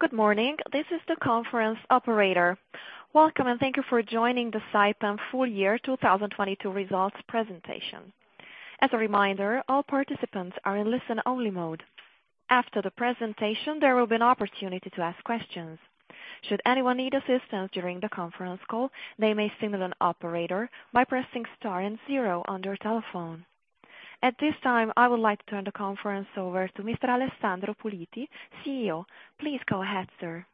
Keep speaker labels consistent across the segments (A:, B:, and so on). A: Good morning. This is the conference operator. Welcome. Thank you for joining the Saipem full year 2022 results presentation. As a reminder, all participants are in listen-only mode. After the presentation, there will be an opportunity to ask questions. Should anyone need assistance during the conference call, they may signal an operator by pressing star zero on their telephone. At this time, I would like to turn the conference over to Mr. Alessandro Puliti, CEO. Please go ahead, sir.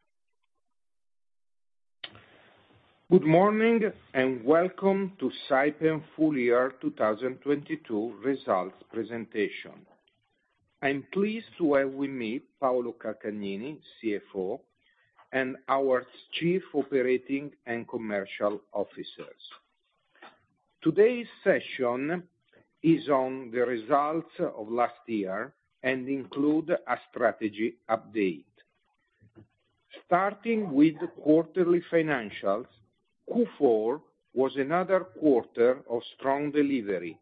B: Good morning, and welcome to Saipem full year 2022 results presentation. I'm pleased to have with me Paolo Calcagnini, CFO, and our Chief Operating and Commercial Officers. Today's session is on the results of last year and include a strategy update. Starting with the quarterly financials, Q4 was another quarter of strong delivery,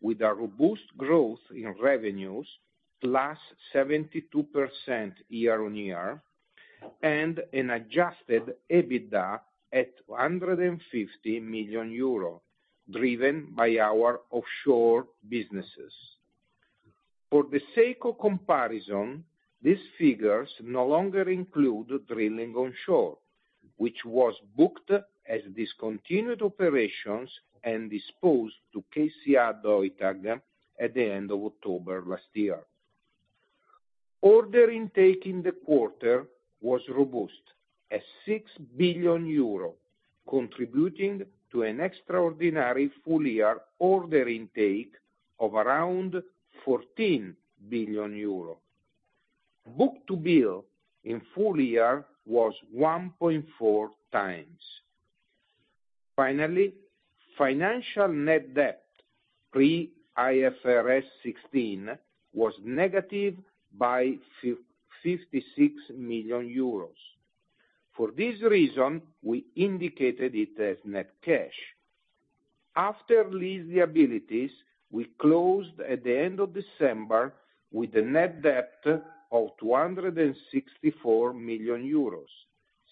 B: with a robust growth in revenues, +72% year-over-year, and an adjusted EBITDA at 150 million euro, driven by our offshore businesses. For the sake of comparison, these figures no longer include drilling onshore, which was booked as discontinued operations and disposed to KCA Deutag at the end of October last year. Order intake in the quarter was robust, at 6 billion euro, contributing to an extraordinary full year order intake of around 14 billion euro. Book-to-Bill in full year was 1.4 times. Financial net debt pre IFRS 16 was negative by 56 million euros. For this reason, we indicated it as net cash. After lease liabilities, we closed at the end of December with a net debt of 264 million euros,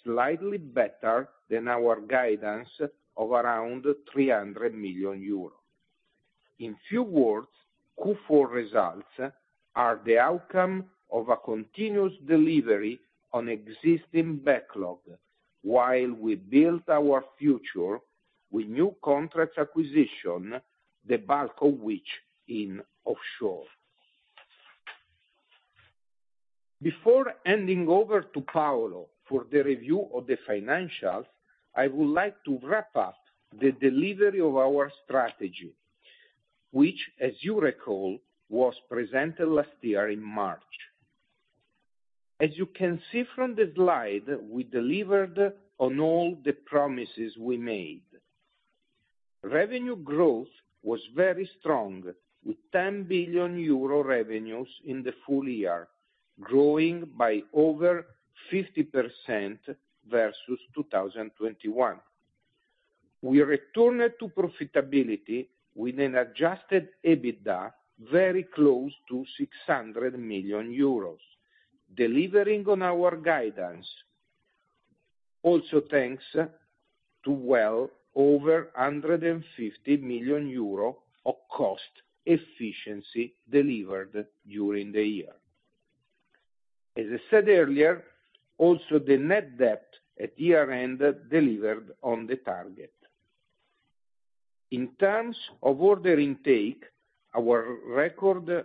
B: slightly better than our guidance of around 300 million euros. In few words, Q4 results are the outcome of a continuous delivery on existing backlog while we built our future with new contract acquisition, the bulk of which in offshore. Before handing over to Paolo for the review of the financials, I would like to wrap up the delivery of our strategy, which, as you recall, was presented last year in March. You can see from the slide, we delivered on all the promises we made. Revenue growth was very strong, with 10 billion euro revenues in the full year, growing by over 50% versus 2021. We returned to profitability with an adjusted EBITDA very close to 600 million euros, delivering on our guidance, also thanks to well over 150 million euro of cost efficiency delivered during the year. As I said earlier, also the net debt at year-end delivered on the target. In terms of order intake, our record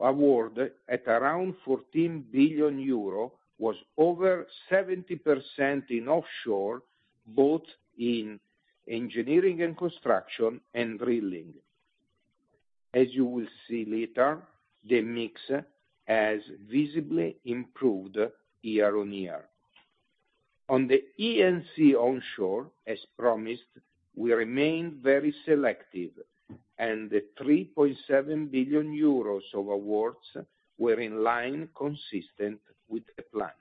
B: award at around 14 billion euro was over 70% in offshore, both in engineering and construction and drilling. As you will see later, the mix has visibly improved year-on-year. On the E&C onshore, as promised, we remain very selective, the 3.7 billion euros of awards were in line consistent with the plans.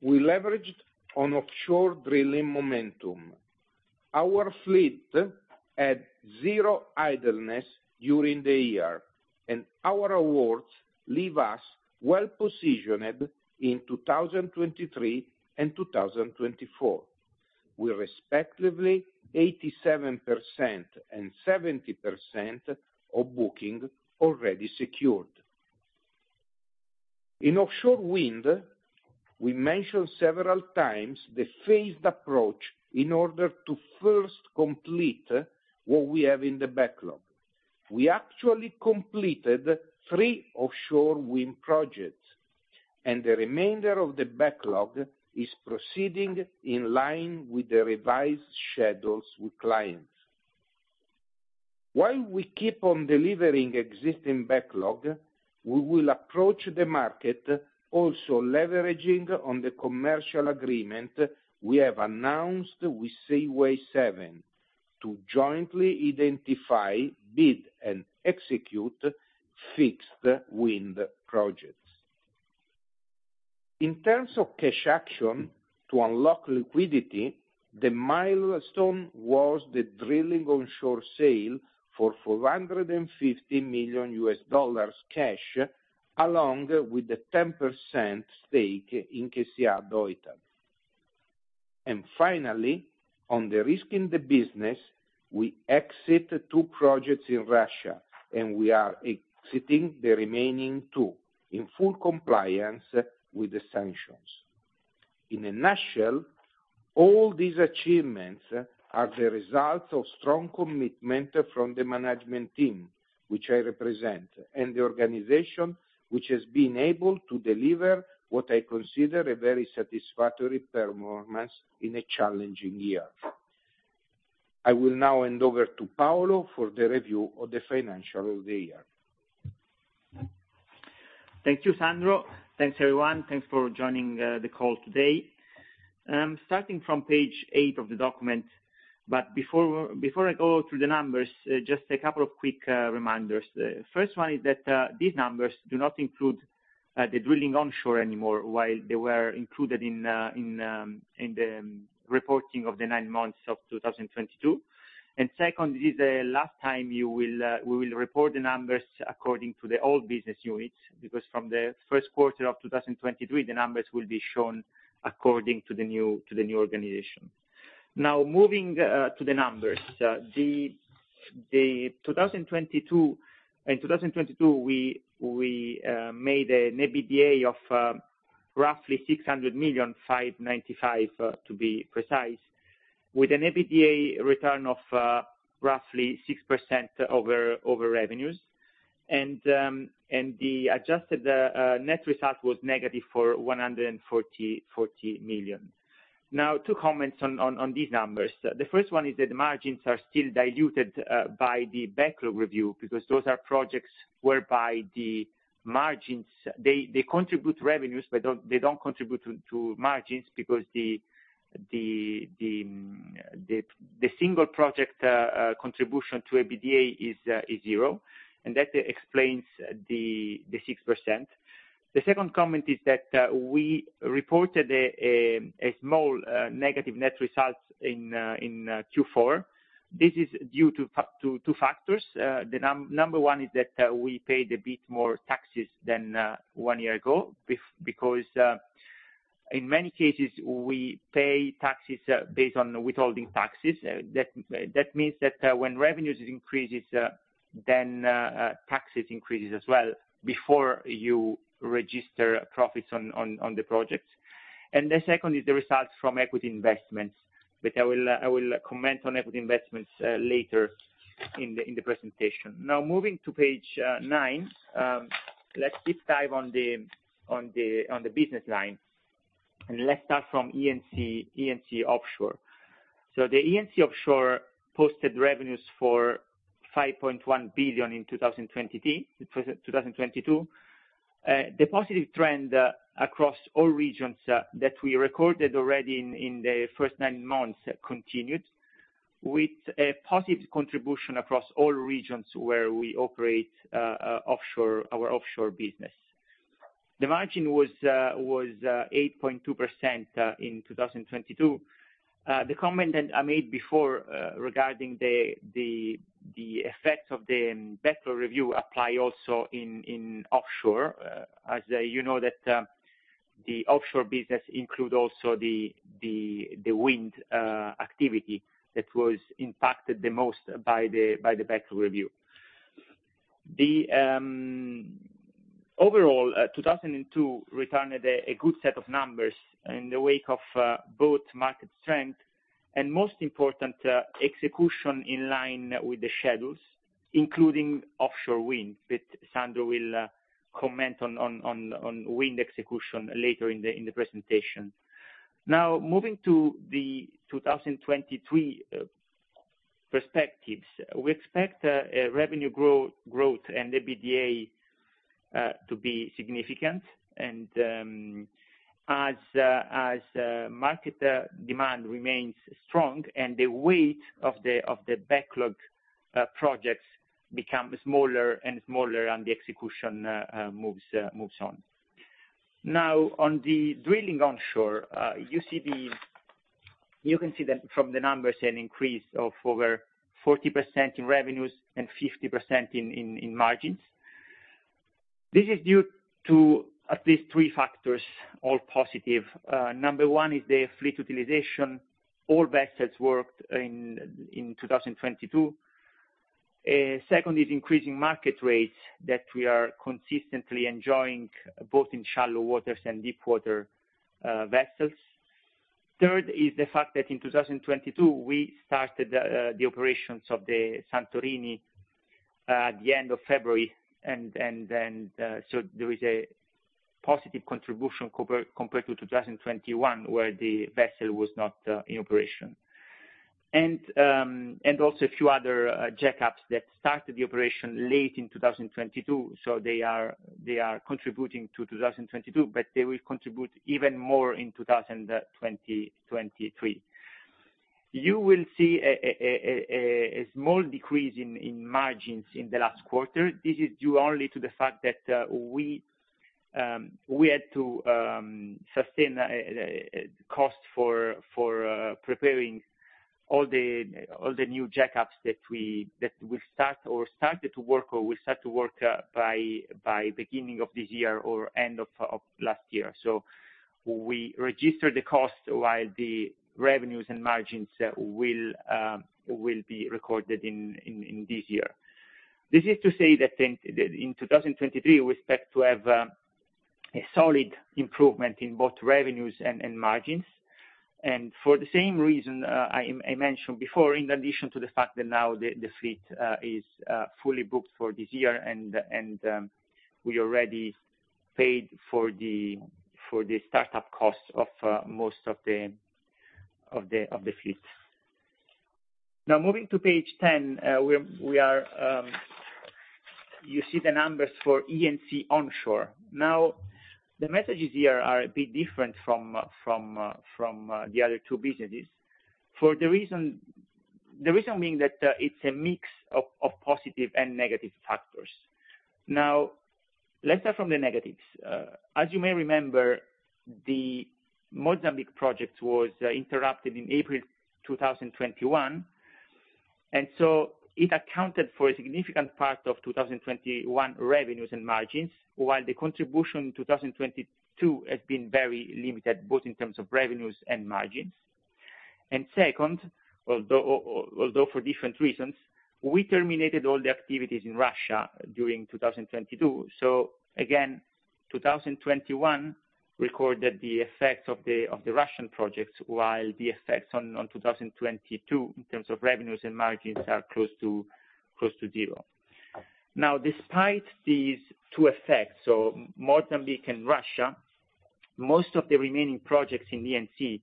B: We leveraged on offshore drilling momentum. Our fleet had zero idleness during the year. Our awards leave us well positioned in 2023 and 2024, with respectively 87% and 70% of booking already secured. In offshore wind, we mentioned several times the phased approach in order to first complete what we have in the backlog. We actually completed three offshore wind projects. The remainder of the backlog is proceeding in line with the revised schedules with clients. While we keep on delivering existing backlog, we will approach the market also leveraging on the commercial agreement we have announced with Seaway7 to jointly identify, bid, and execute fixed wind projects. In terms of cash action to unlock liquidity, the milestone was the drilling onshore sale for $450 million cash, along with the 10% stake in KCA Deutag. Finally, on the risk in the business, we exit two projects in Russia, and we are exiting the remaining two in full compliance with the sanctions. In a nutshell, all these achievements are the result of strong commitment from the management team, which I represent, and the organization, which has been able to deliver what I consider a very satisfactory performance in a challenging year. I will now hand over to Paolo for the review of the financial of the year.
C: Thank you, Sandro. Thanks, everyone. Thanks for joining the call today. Starting from page eight of the document, before I go through the numbers, just a couple of quick reminders. The first one is that these numbers do not include the drilling onshore anymore, while they were included in the reporting of the nine months of 2022. Second, this is the last time you will we will report the numbers according to the old business units, because from the 1st quarter of 2023, the numbers will be shown according to the new organization. Moving to the numbers. The 2022... In 2022, we made an EBITDA of roughly 600 million, 595 million to be precise, with an EBITDA return of roughly 6% over revenues. The adjusted net result was negative for 140 million. Two comments on these numbers. The first one is that the margins are still diluted by the backlog review, because those are projects whereby the margins, they contribute revenues, but don't contribute to margins because the single project contribution to EBITDA is zero, and that explains the 6%. The second comment is that we reported a small negative net result in Q4. This is due to two factors. The number one is that we paid a bit more taxes than one year ago because in many cases, we pay taxes based on withholding taxes. That means that when revenues increases, then taxes increases as well before you register profits on the project. The second is the results from equity investments, but I will comment on equity investments later in the presentation. Now moving to page nine, let's deep dive on the business line, and let's start from E&C offshore. The E&C offshore posted revenues for 5.1 billion in 2022. The positive trend across all regions that we recorded already in the first nine months continued with a positive contribution across all regions where we operate offshore, our offshore business. The margin was 8.2% in 2022. The comment that I made before regarding the effects of the backlog review apply also in offshore. As you know that, the offshore business include also the wind activity that was impacted the most by the backlog review. Overall, 2022 returned a good set of numbers in the wake of both market strength and most important, execution in line with the schedules, including offshore wind, that Sandro will comment on wind execution later in the presentation. Moving to the 2023 perspectives. We expect revenue growth and the EBITDA to be significant and, as market demand remains strong and the weight of the backlog projects become smaller and smaller, and the execution moves on. On the drilling onshore, you can see that from the numbers an increase of over 40% in revenues and 50% in margins. This is due to at least three factors, all positive. Number one is the fleet utilization. All vessels worked in 2022. Second is increasing market rates that we are consistently enjoying, both in shallow waters and deep water vessels. Third is the fact that in 2022, we started the operations of the Santorini at the end of February and so there is a positive contribution compared to 2021, where the vessel was not in operation. Also a few other jackups that started the operation late in 2022, so they are contributing to 2022, but they will contribute even more in 2023. You will see a small decrease in margins in the last quarter. This is due only to the fact that we had to sustain cost for preparing all the new jackups that we start or started to work, or will start to work by beginning of this year or end of last year. We registered the cost while the revenues and margins will be recorded in this year. This is to say that in 2023, we expect to have a solid improvement in both revenues and margins. For the same reason, I mentioned before, in addition to the fact that now the fleet is fully booked for this year and we already paid for the start-up costs of most of the fleet. Moving to page 10, we are, you see the numbers for E&C onshore. The messages here are a bit different from the other two businesses, for the reason being that it's a mix of positive and negative factors. Let's start from the negatives. As you may remember, the Mozambique project was interrupted in April 2021, and so it accounted for a significant part of 2021 revenues and margins, while the contribution in 2022 has been very limited, both in terms of revenues and margins. Second, although for different reasons, we terminated all the activities in Russia during 2022. Again, 2021 recorded the effects of the Russian projects, while the effects on 2022, in terms of revenues and margins, are close to zero. Despite these two effects, so Mozambique and Russia, most of the remaining projects in E&C,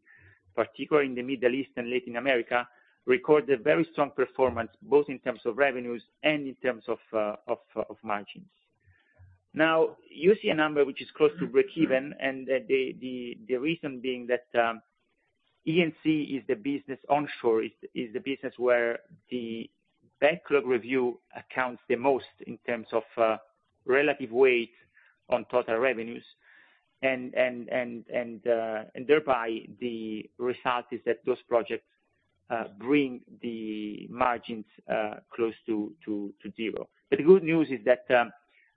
C: particularly in the Middle East and Latin America, recorded a very strong performance, both in terms of revenues and in terms of margins. You see a number which is close to breakeven. The reason being that E&C is the business onshore, is the business where the backlog review accounts the most in terms of relative weight on total revenues. Thereby the result is that those projects bring the margins close to zero. The good news is that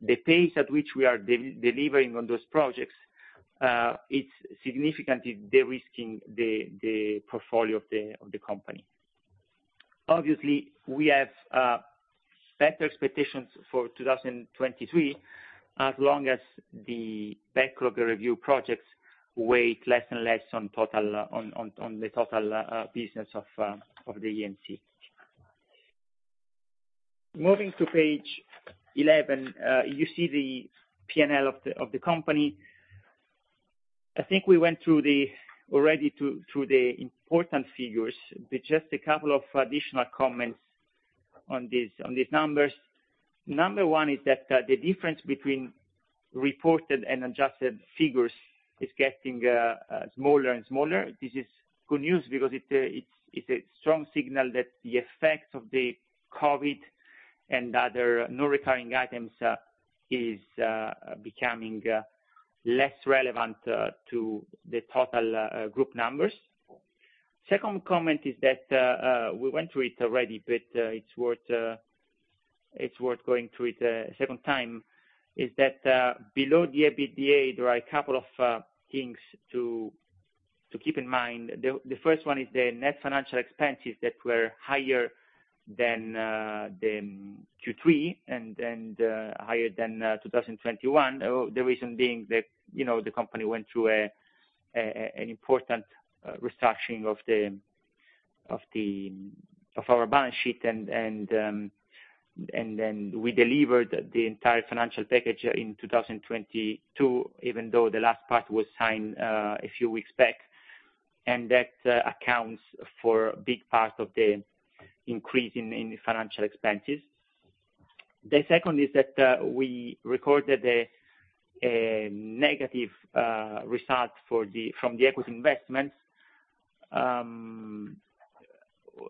C: the pace at which we are delivering on those projects, it's significantly de-risking the portfolio of the company. We have better expectations for 2023, as long as the backlog review projects weigh less and less on total on the total business of the E&C. Moving to page 11, you see the P&L of the company. I think we went through the... already through the important figures. Just a couple of additional comments on these numbers. Number one is that the difference between reported and adjusted figures is getting smaller and smaller. This is good news because it's a strong signal that the effects of the COVID and other non-recurring items is becoming less relevant to the total group numbers. Second comment is that we went through it already, but it's worth going through it a second time, is that below the EBITDA, there are a couple of things to keep in mind. The first one is the net financial expenses that were higher than Q3 and higher than 2021. The reason being that, you know, the company went through an important restructuring of the balance sheet and then we delivered the entire financial package in 2022, even though the last part was signed a few weeks back. That accounts for a big part of the increase in the financial expenses. The second is that we recorded a negative result from the equity investments.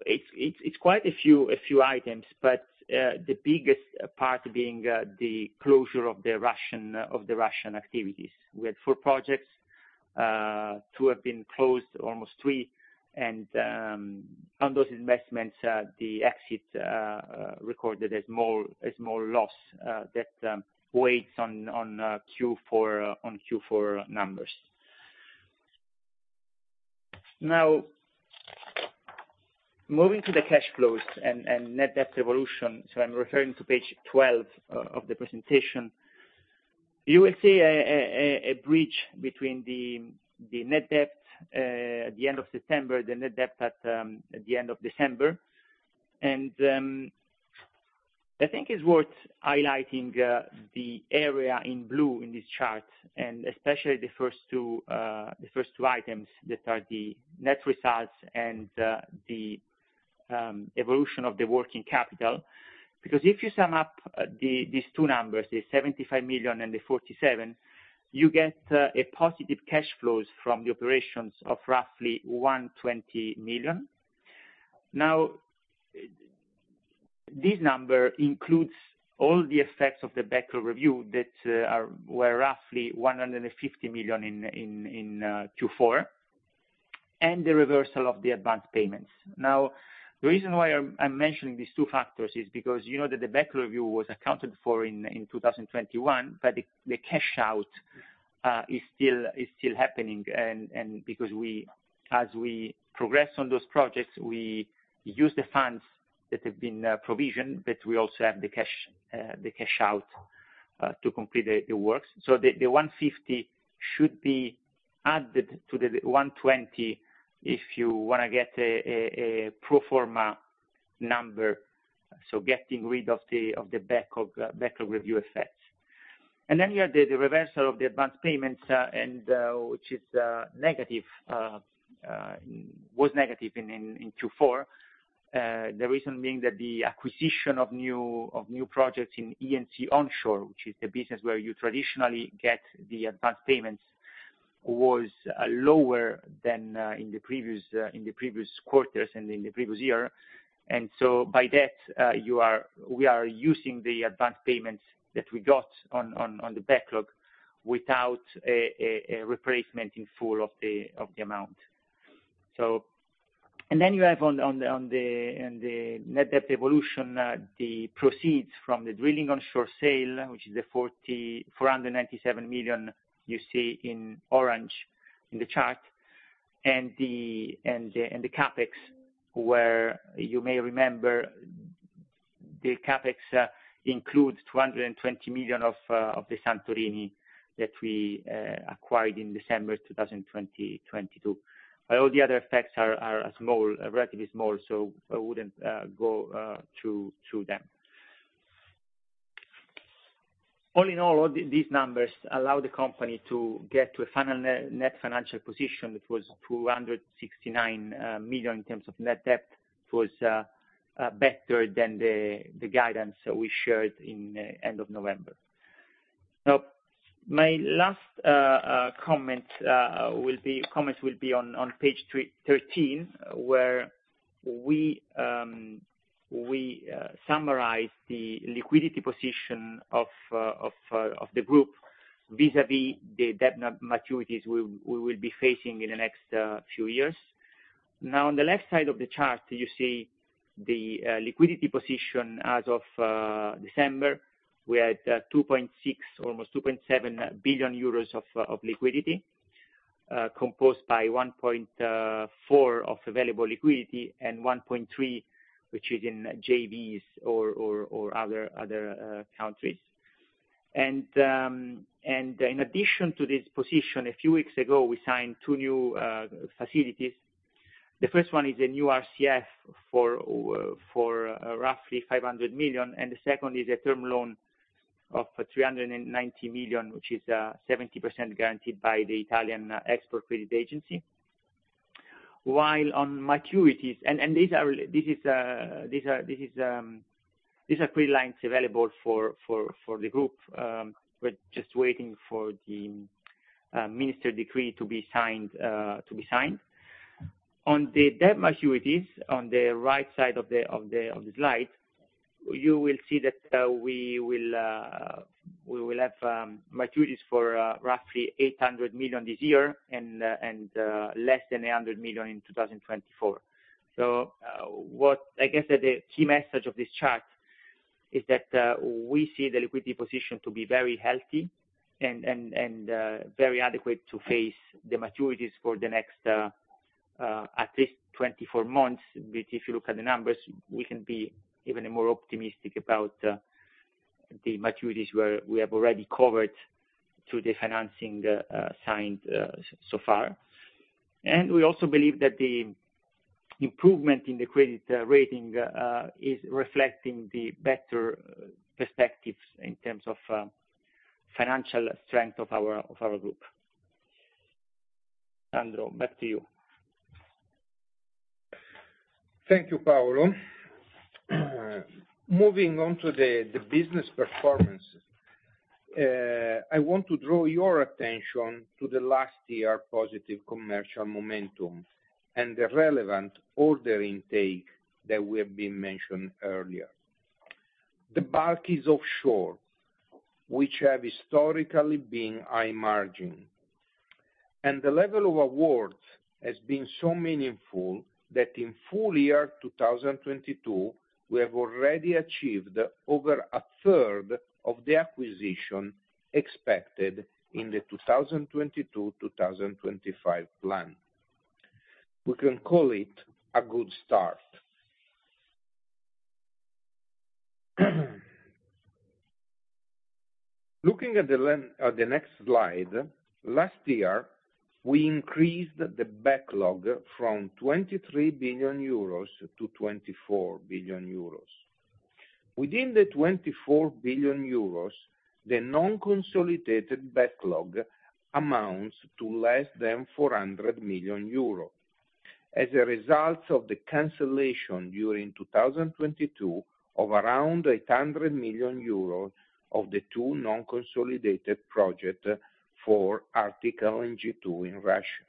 C: It's quite a few items, but the biggest part being the closure of the Russian activities. We had four projects. Two have been closed, almost three. On those investments, the exits recorded a small loss that weighs on Q4 numbers. Now, moving to the cash flows and net debt evolution, so I'm referring to page 12 of the presentation. You will see a breach between the net debt at the end of September, the net debt at the end of December. I think it's worth highlighting the area in blue in this chart, and especially the first two items that are the net results and the evolution of the working capital, because if you sum up these two numbers, the 75 million and the 47 million, you get a positive cash flows from the operations of roughly 120 million. This number includes all the effects of the backlog review that were roughly 150 million in Q4, and the reversal of the advanced payments. The reason why I'm mentioning these two factors is because you know that the backlog review was accounted for in 2021, but the cash out is still happening. Because we, as we progress on those projects, we use the funds that have been provisioned, but we also have the cash out to complete the works. The 150 should be added to the 120 if you wanna get a pro forma number, so getting rid of the backlog review effects. Then you have the reversal of the advanced payments, and which was negative in Q4. The reason being that the acquisition of new projects in E&C onshore, which is the business where you traditionally get the advanced payments, was lower than in the previous quarters and in the previous year. By that, you are, we are using the advanced payments that we got on the backlog without a replacement in full of the amount. Then you have on the net debt evolution, the proceeds from the drilling onshore sale, which is the 497 million you see in orange in the chart, and the CapEx, where you may remember the CapEx includes 220 million of the Santorini that we acquired in December 2022. All the other effects are small, relatively small, so I wouldn't go through them. All in all, these numbers allow the company to get to a final net financial position, which was 269 million in terms of net debt, which was better than the guidance that we shared in end of November. My last comments will be on page 13, where we summarize the liquidity position of the group vis-à-vis the debt maturities we will be facing in the next few years. On the left side of the chart, you see the liquidity position as of December. We had 2.6, almost 2.7 billion euros of liquidity, composed by 1.4 billion of available liquidity and 1.3 billion, which is in JVs or other countries. In addition to this position, a few weeks ago, we signed two new facilities. The first one is a new RCF for roughly 500 million, and the second is a term loan of 390 million, which is 70% guaranteed by the Italian Export Credit Agency. While on maturities. These are credit lines available for the group. We're just waiting for the Ministerial Decree to be signed. On the debt maturities, on the right side of the slide, you will see that we will have maturities for roughly 800 million this year and less than 100 million in 2024. What I guess the key message of this chart is that we see the liquidity position to be very healthy and very adequate to face the maturities for the next 24 months. If you look at the numbers, we can be even a more optimistic about the maturities where we have already covered through the financing signed so far. We also believe that the improvement in the credit rating is reflecting the better perspectives in terms of financial strength of our group. Sandro, back to you.
B: Thank you, Paolo. Moving on to the business performance. I want to draw your attention to the last year positive commercial momentum and the relevant order intake that we have been mentioned earlier. The bulk is offshore, which have historically been high margin, and the level of awards has been so meaningful that in full year 2022, we have already achieved over a third of the acquisition expected in the 2022-2025 plan. We can call it a good start. Looking at the next slide, last year, we increased the backlog from 23 - 24 billion. Within the 24 billion euros, the non-consolidated backlog amounts to less than 400 million euros. As a result of the cancellation during 2022 of around 800 million euros of the two non-consolidated project for Arctic LNG 2 in Russia.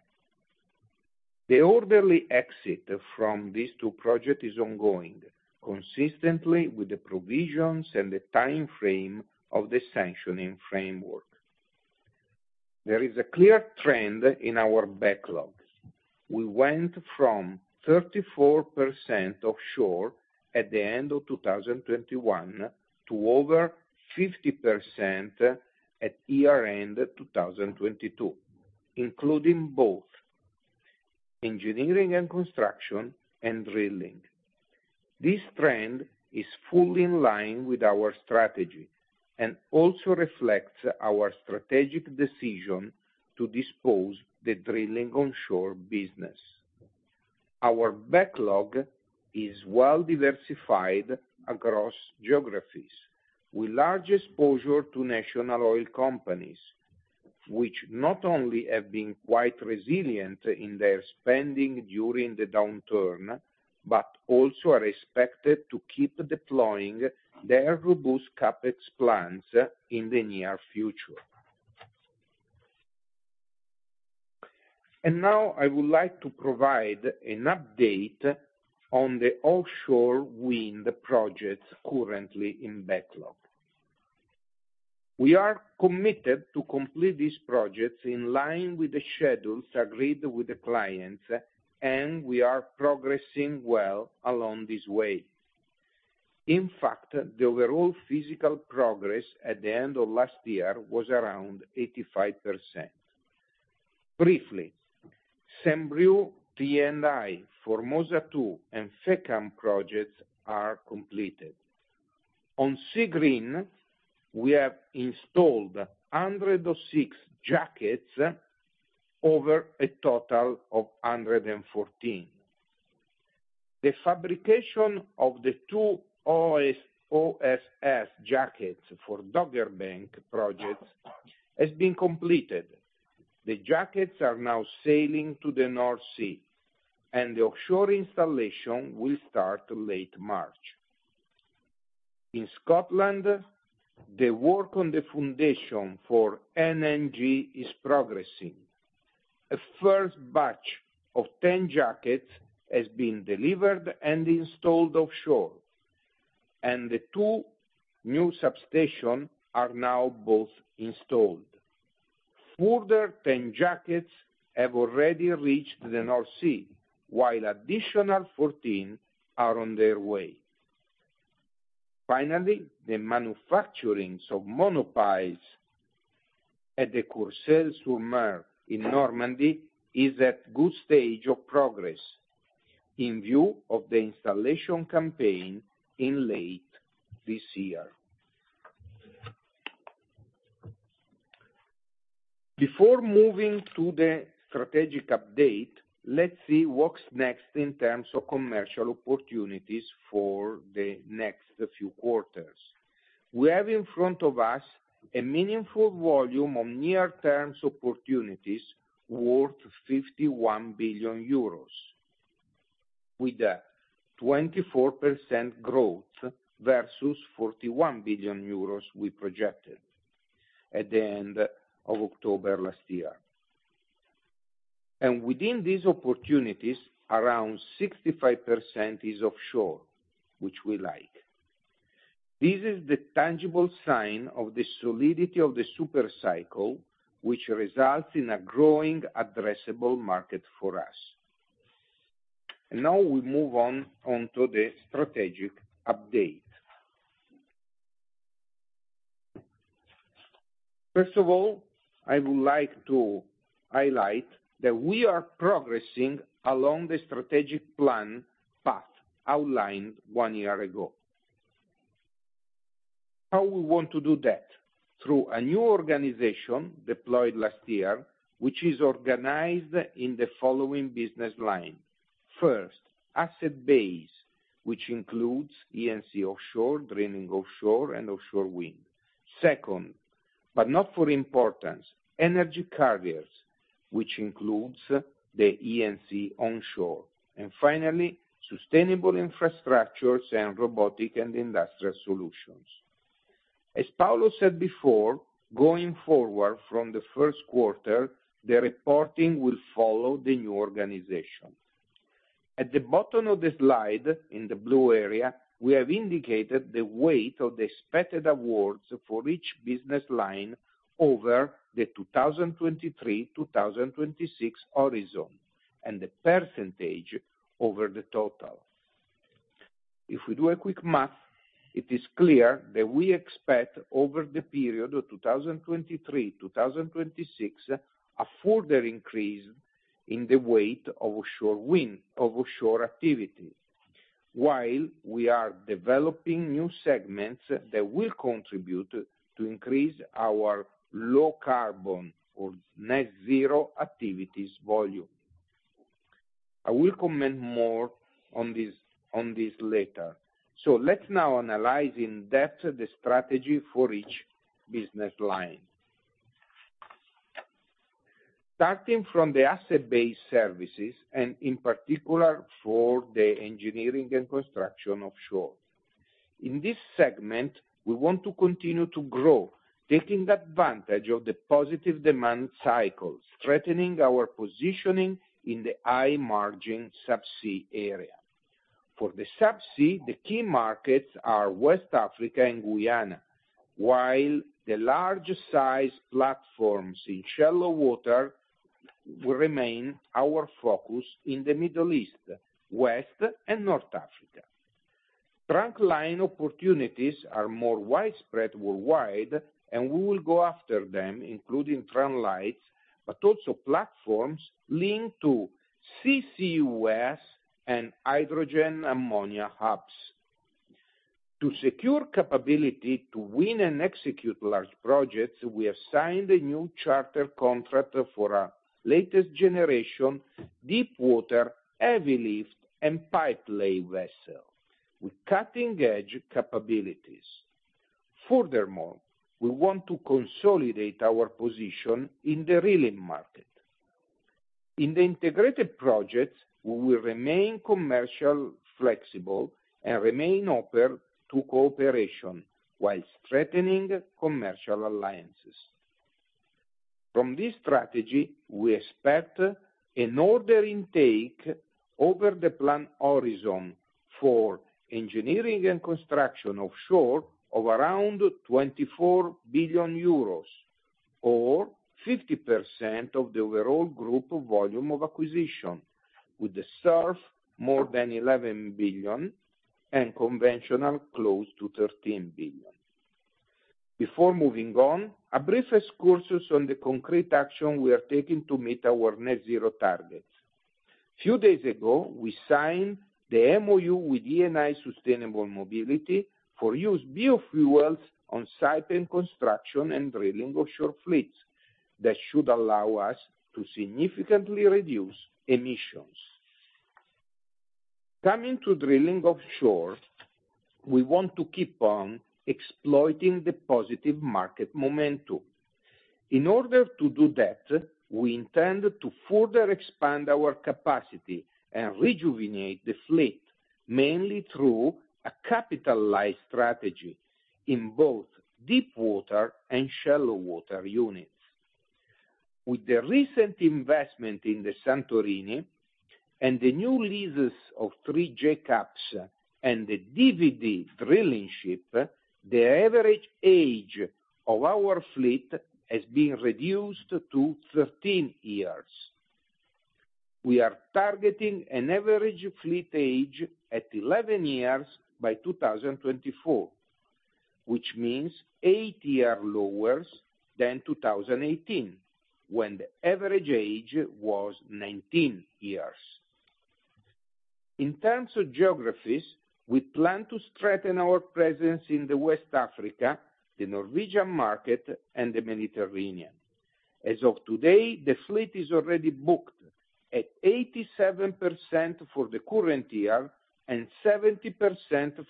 B: The orderly exit from these two project is ongoing, consistently with the provisions and the timeframe of the sanctioning framework. There is a clear trend in our backlogs. We went from 34% offshore at the end of 2021 to over 50% at year-end 2022, including both engineering and construction and drilling. This trend is fully in line with our strategy and also reflects our strategic decision to dispose the drilling onshore business. Our backlog is well diversified across geographies, with large exposure to national oil companies, which not only have been quite resilient in their spending during the downturn, but also are expected to keep deploying their robust CapEx plans in the near future. Now I would like to provide an update on the offshore wind projects currently in backlog. We are committed to complete these projects in line with the schedules agreed with the clients. We are progressing well along this way. In fact, the overall physical progress at the end of last year was around 85%. Briefly, St. Brieuc, T&I, Formosa 2, and Fécamp projects are completed. On Seagreen, we have installed 106 jackets over a total of 114. The fabrication of the two OSS jackets for Dogger Bank projects has been completed.
C: The jackets are now sailing to the North Sea, and the offshore installation will start late March. In Scotland, the work on the foundation for NNG is progressing. A first batch of 10 jackets has been delivered and installed offshore, and the 2 new substation are now both installed. Further 10 jackets have already reached the North Sea, while additional 14 are on their way. The manufacturing of monopiles at the Courseulles-sur-Mer in Normandy is at good stage of progress in view of the installation campaign in late this year. Before moving to the strategic update, let's see what's next in terms of commercial opportunities for the next few quarters. We have in front of us a meaningful volume of near-term opportunities worth 51 billion euros, with a 24% growth versus 41 billion euros we projected at the end of October last year. Within these opportunities, around 65% is offshore, which we like. This is the tangible sign of the solidity of the super cycle, which results in a growing addressable market for us. Now we move on onto the strategic update. First of all, I would like to highlight that we are progressing along the strategic plan path outlined one year ago. How we want to do that? Through a new organization deployed last year, which is organized in the following business line. First, asset base, which includes E&C offshore, drilling offshore, and offshore wind. Second, but not for importance, energy carriers, which includes the E&C onshore. Finally, sustainable infrastructures and robotic and industrial solutions. As Paolo said before, going forward from the first quarter, the reporting will follow the new organization.
B: At the bottom of the slide, in the blue area, we have indicated the weight of the expected awards for each business line over the 2023-2026 horizon, and the % over the total. If we do a quick math, it is clear that we expect over the period of 2023-2026, a further increase in the weight of offshore wind, offshore activities, while we are developing new segments that will contribute to increase our low carbon or net zero activities volume. I will comment more on this, on this later. Let's now analyze in depth the strategy for each business line. Starting from the asset-based services, and in particular for the engineering and construction offshore. In this segment, we want to continue to grow, taking advantage of the positive demand cycles, strengthening our positioning in the high margin subsea area. For the subsea, the key markets are West Africa and Guyana, while the large size platforms in shallow water will remain our focus in the Middle East, West and North Africa. Trunk line opportunities are more widespread worldwide, and we will go after them, including transit lines, but also platforms linked to CCUS and hydrogen ammonia hubs. To secure capability to win and execute large projects, we have signed a new charter contract for a latest generation deep water, heavy lift and pipe lay vessel with cutting-edge capabilities. Furthermore, we want to consolidate our position in the reeling market. In the integrated projects, we will remain commercial flexible and remain open to cooperation while strengthening commercial alliances. From this strategy, we expect an order intake over the plan horizon for engineering and construction offshore of around 24 billion euros or 50% of the overall group volume of acquisition, with the serve more than 11 billion and conventional close to 13 billion. Before moving on, a brief excursus on the concrete action we are taking to meet our net zero targets. Few days ago, we signed the MoU with Eni Sustainable Mobility for use bio fuels on Saipem construction and drilling offshore fleets that should allow us to significantly reduce emissions. Coming to drilling offshore, we want to keep on exploiting the positive market momentum. In order to do that, we intend to further expand our capacity and rejuvenate the fleet, mainly through a capitalized strategy in both deep-water and shallow water units. With the recent investment in the Santorini and the new leases of three jackups and the Deep Value Driller drilling ship, the average age of our fleet has been reduced to 13 years. We are targeting an average fleet age at 11 years by 2024, which means eight years lower than 2018, when the average age was 19 years. In terms of geographies, we plan to strengthen our presence in West Africa, the Norwegian market and the Mediterranean. As of today, the fleet is already booked at 87% for the current year and 70%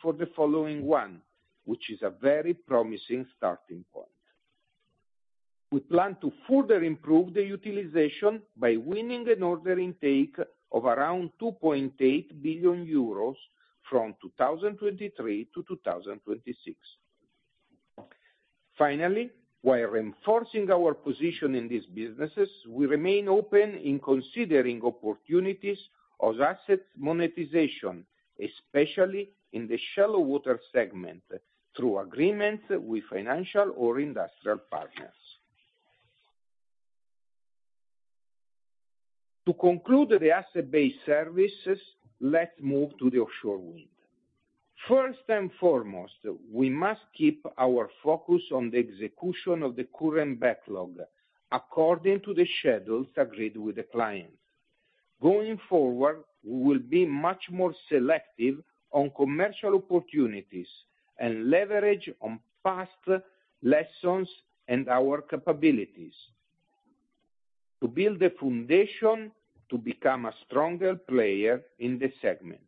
B: for the following one, which is a very promising starting point. We plan to further improve the utilization by winning an order intake of around 2.8 billion euros from 2023 to 2026. Finally, while reinforcing our position in these businesses, we remain open in considering opportunities of assets monetization, especially in the shallow water segment, through agreements with financial or industrial partners. To conclude the asset based services, let's move to the offshore wind. We must keep our focus on the execution of the current backlog according to the schedules agreed with the clients. Going forward, we will be much more selective on commercial opportunities and leverage on past lessons and our capabilities to build the foundation to become a stronger player in the segment.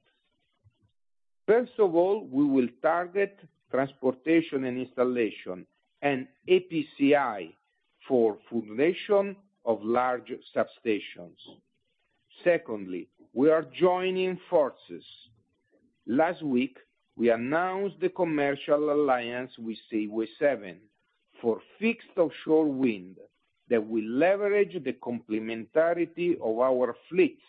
B: We will target Transportation and Installation and EPCI for foundation of large substations. We are joining forces. Last week, we announced the commercial alliance with Seaway7 for fixed offshore wind that will leverage the complementarity of our fleet,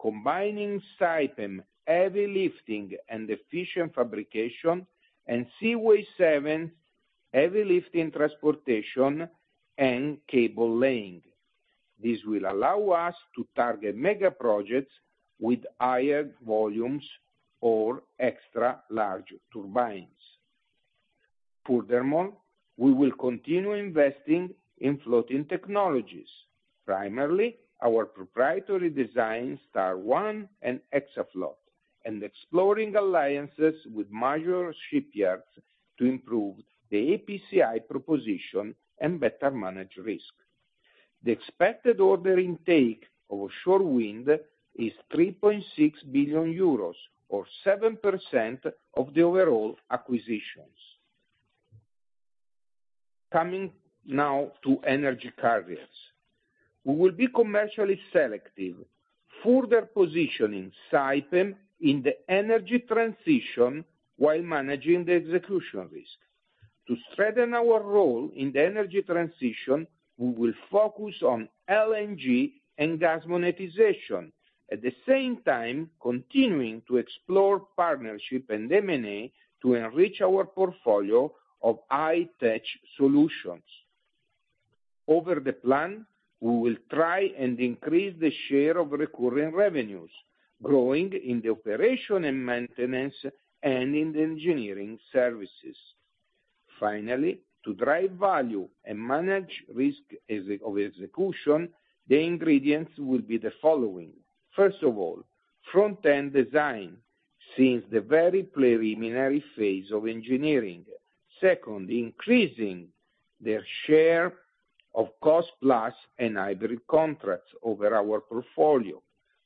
B: combining Saipem heavy lifting and efficient fabrication and Seaway7 heavy lifting, transportation and cable laying. This will allow us to target mega projects with higher volumes or extra large turbines. Furthermore, we will continue investing in floating technologies, primarily our proprietary design, Star1 and Hexafloat. Exploring alliances with major shipyards to improve the EPCI proposition and better manage risk. The expected order intake offshore wind is 3.6 billion euros or 7% of the overall acquisitions. Coming now to energy carriers. We will be commercially selective, further positioning Saipem in the energy transition while managing the execution risk. To strengthen our role in the energy transition, we will focus on LNG and gas monetization, at the same time, continuing to explore partnership and M&A to enrich our portfolio of high-tech solutions. Over the plan, we will try and increase the share of recurring revenues, growing in the operation and maintenance, and in the engineering services. Finally, to drive value and manage risk of execution, the ingredients will be the following. First of all, front-end design, since the very preliminary phase of engineering. Second, increasing the share of cost plus and hybrid contracts over our portfolio.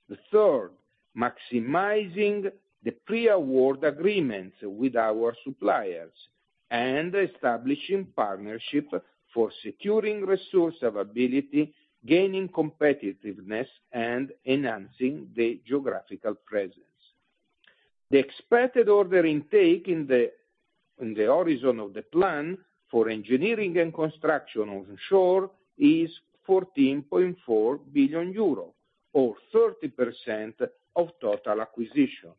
B: The third, maximizing the pre-award agreements with our suppliers, and establishing partnership for securing resource availability, gaining competitiveness, and enhancing the geographical presence. The expected order intake in the horizon of the plan for engineering and construction onshore is 14.4 billion euro or 30% of total acquisitions.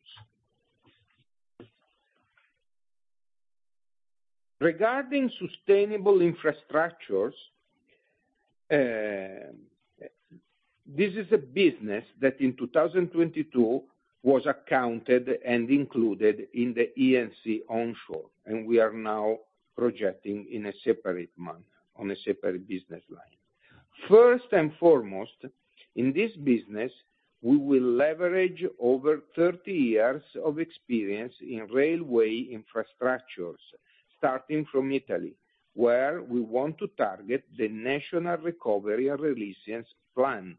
B: Regarding sustainable infrastructures, this is a business that in 2022 was accounted and included in the E&C onshore. We are now projecting in a separate month, on a separate business line. First and foremost, in this business, we will leverage over 30 years of experience in railway infrastructures, starting from Italy, where we want to target the National Recovery and Resilience Plan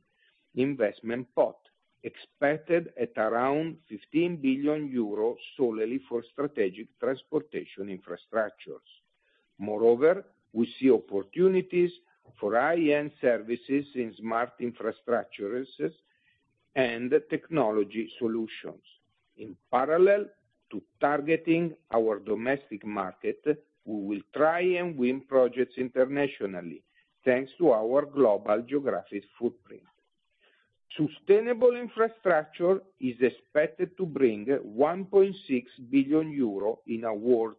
B: investment pot, expected at around 15 billion euros solely for strategic transportation infrastructures. Moreover, we see opportunities for IN services in smart infrastructures and technology solutions. In parallel to targeting our domestic market, we will try and win projects internationally thanks to our global geographic footprint. Sustainable infrastructure is expected to bring 1.6 billion euro in awards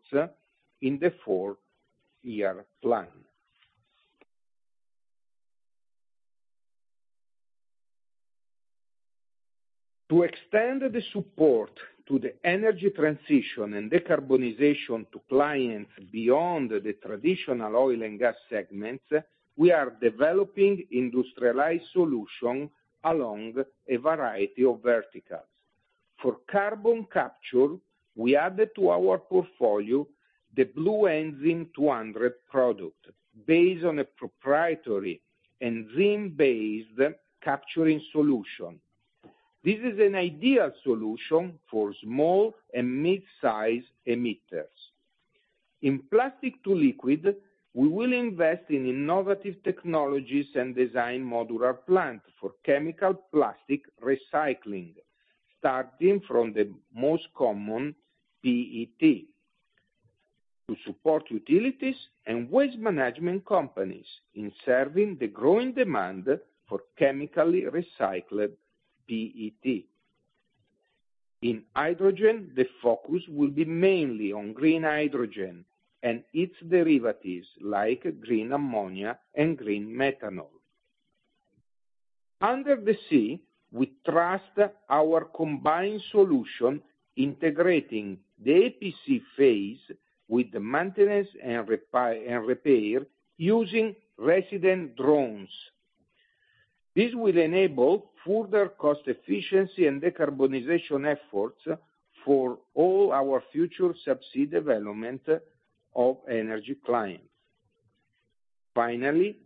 B: in the four-year plan. To extend the support to the energy transition and decarbonization to clients beyond the traditional oil and gas segments, we are developing industrialized solution along a variety of verticals. For carbon capture, we added to our portfolio the Bluenzyme 200 product based on a proprietary enzyme-based capturing solution. This is an ideal solution for small and mid-size emitters. In plastic to liquid, we will invest in innovative technologies and design modular plant for chemical plastic recycling, starting from the most common PET, to support utilities and waste management companies in serving the growing demand for chemically recycled PET. In hydrogen, the focus will be mainly on green hydrogen and its derivatives like green ammonia and green methanol. Under the sea, we trust our combined solution integrating the EPC phase with the maintenance and repair using resident drones. This will enable further cost efficiency and decarbonization efforts for all our future subsea development of energy clients. Finally,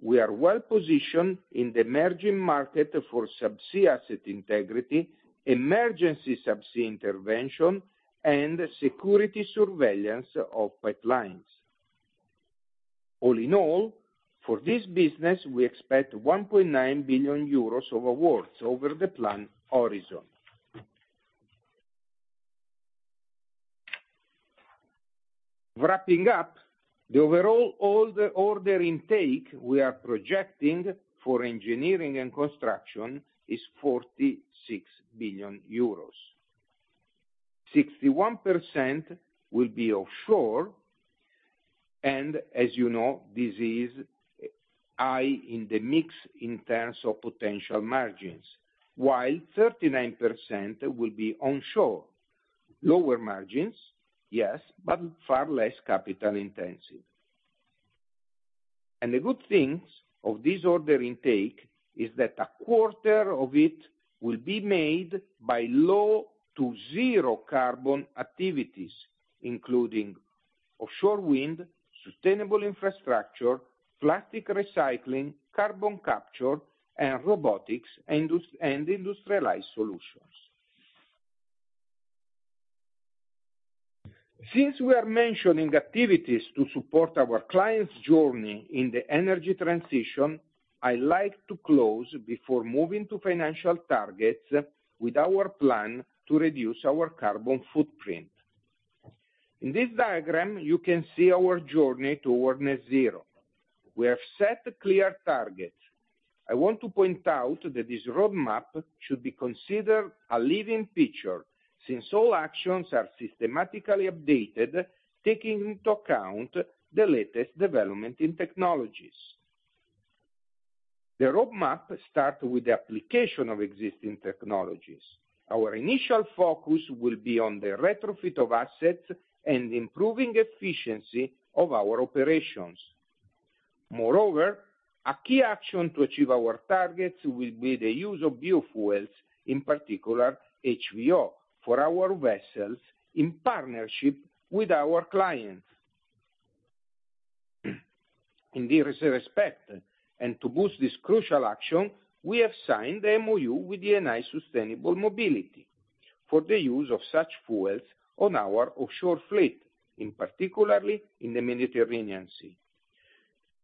B: we are well positioned in the emerging market for subsea asset integrity, emergency subsea intervention, and security surveillance of pipelines. All in all, for this business, we expect 1.9 billion euros of awards over the plan horizon. Wrapping up, the overall order intake we are projecting for engineering and construction is 46 billion euros. 61% will be offshore and, as you know, this is high in the mix in terms of potential margins, while 39% will be onshore. Lower margins, yes, but far less capital intensive. The good things of this order intake is that a quarter of it will be made by low to zero carbon activities, including offshore wind, sustainable infrastructure, plastic recycling, carbon capture, and robotics and industrialized solutions. Since we are mentioning activities to support our clients' journey in the energy transition, I like to close before moving to financial targets with our plan to reduce our carbon footprint. In this diagram, you can see our journey toward net zero. We have set clear targets. I want to point out that this roadmap should be considered a living picture, since all actions are systematically updated, taking into account the latest development in technologies. The roadmap start with the application of existing technologies. Our initial focus will be on the retrofit of assets and improving efficiency of our operations. Moreover, a key action to achieve our targets will be the use of biofuels, in particular HVO, for our vessels in partnership with our clients. In this respect, to boost this crucial action, we have signed the MOU with Eni Sustainable Mobility for the use of such fuels on our offshore fleet, in particular in the Mediterranean Sea.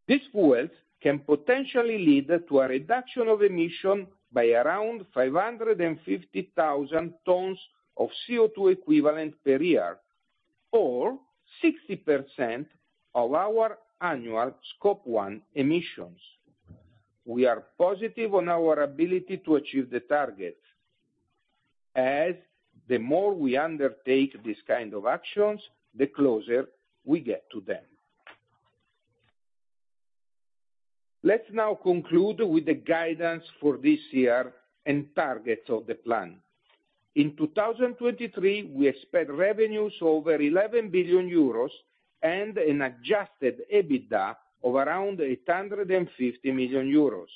B: These fuels can potentially lead to a reduction of emission by around 550,000 tons of CO2 equivalent per year, or 60% of our annual scope one emissions. We are positive on our ability to achieve the targets, as the more we undertake these kind of actions, the closer we get to them. Let's now conclude with the guidance for this year and targets of the plan. In 2023, we expect revenues over 11 billion euros and an adjusted EBITDA of around 850 million euros.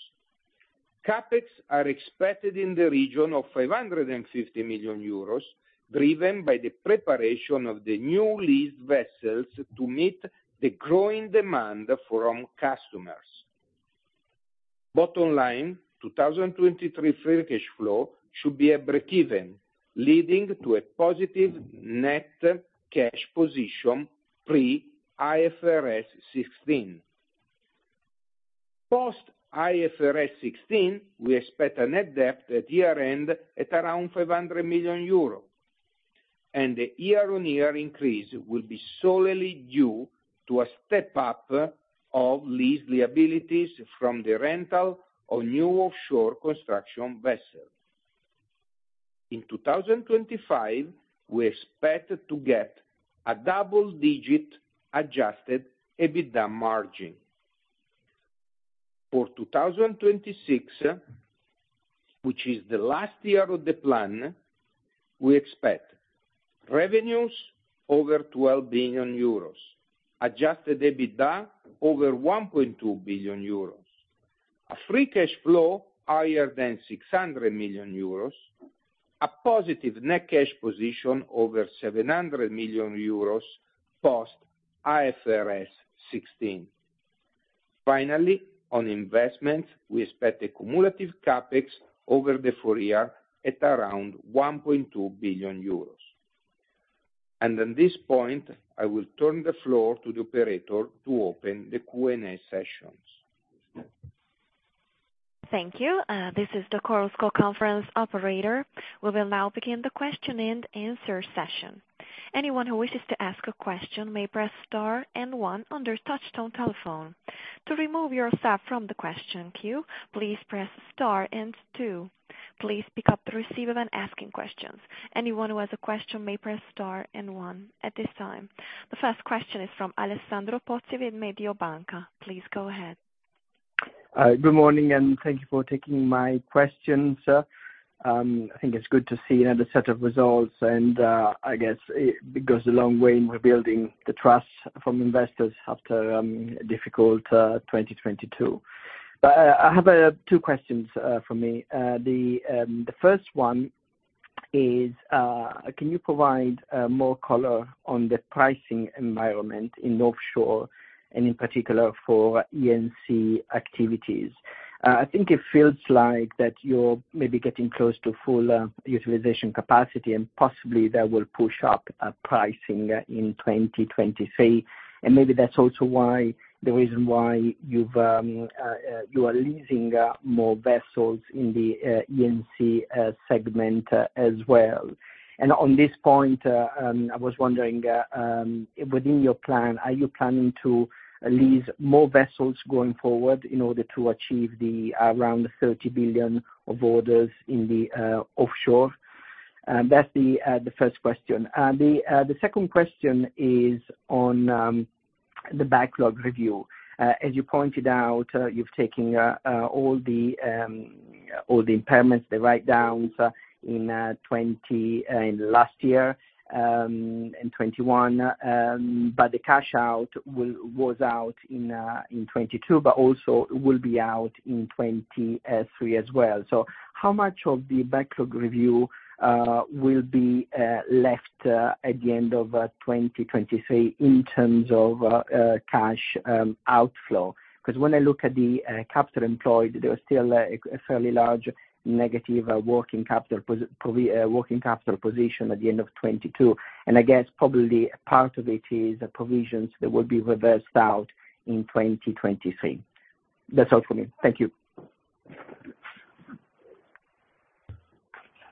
B: CapEx are expected in the region of 550 million euros, driven by the preparation of the new leased vessels to meet the growing demand from customers. Bottom line, 2023 free cash flow should be a breakeven, leading to a positive net cash position pre IFRS 16. Post IFRS 16, we expect a net debt at year-end at around 500 million euro, and the year-on-year increase will be solely due to a step up of lease liabilities from the rental of new offshore construction vessels. In 2025, we expect to get a double digit adjusted EBITDA margin. For 2026, which is the last year of the plan, we expect revenues over 12 billion euros, adjusted EBITDA over 1.2 billion euros, a free cash flow higher than 600 million euros, a positive net cash position over 700 million euros post IFRS 16. Finally, on investment, we expect a cumulative CapEx over the full year at around 1.2 billion euros. At this point, I will turn the floor to the operator to open the Q&A sessions.
A: Thank you. This is the Coral conference operator. We will now begin the question and answer session. Anyone who wishes to ask a question may press star and one on their touchtone telephone. To remove yourself from the question queue, please press star and two. Please pick up the receiver when asking questions. Anyone who has a question may press star and one at this time. The first question is from Alessandro Pozzi with Mediobanca. Please go ahead.
D: Good morning. Thank you for taking my question, sir. I think it's good to see another set of results, and I guess it goes a long way in rebuilding the trust from investors after a difficult 2022. I have two questions for me. The first one is, can you provide more color on the pricing environment in offshore, and in particular for E&C activities? I think it feels like that you're maybe getting close to full utilization capacity, and possibly that will push up pricing in 2023. Maybe that's also why, the reason why you've, you are leasing more vessels in the E&C segment as well. On this point, I was wondering, within your plan, are you planning to lease more vessels going forward in order to achieve the around 30 billion of orders in the offshore? That's the first question. The second question is on the backlog review. As you pointed out, you've taken all the impairments, the write-downs, in last year, in 2021. But the cash out was out in 2022, but also will be out in 2023 as well. How much of the backlog review will be left at the end of 2023 in terms of cash outflow? Because when I look at the capital employed, there was still a fairly large negative working capital position at the end of 2022, and I guess probably part of it is the provisions that will be reversed out in 2023. That's all from me. Thank you.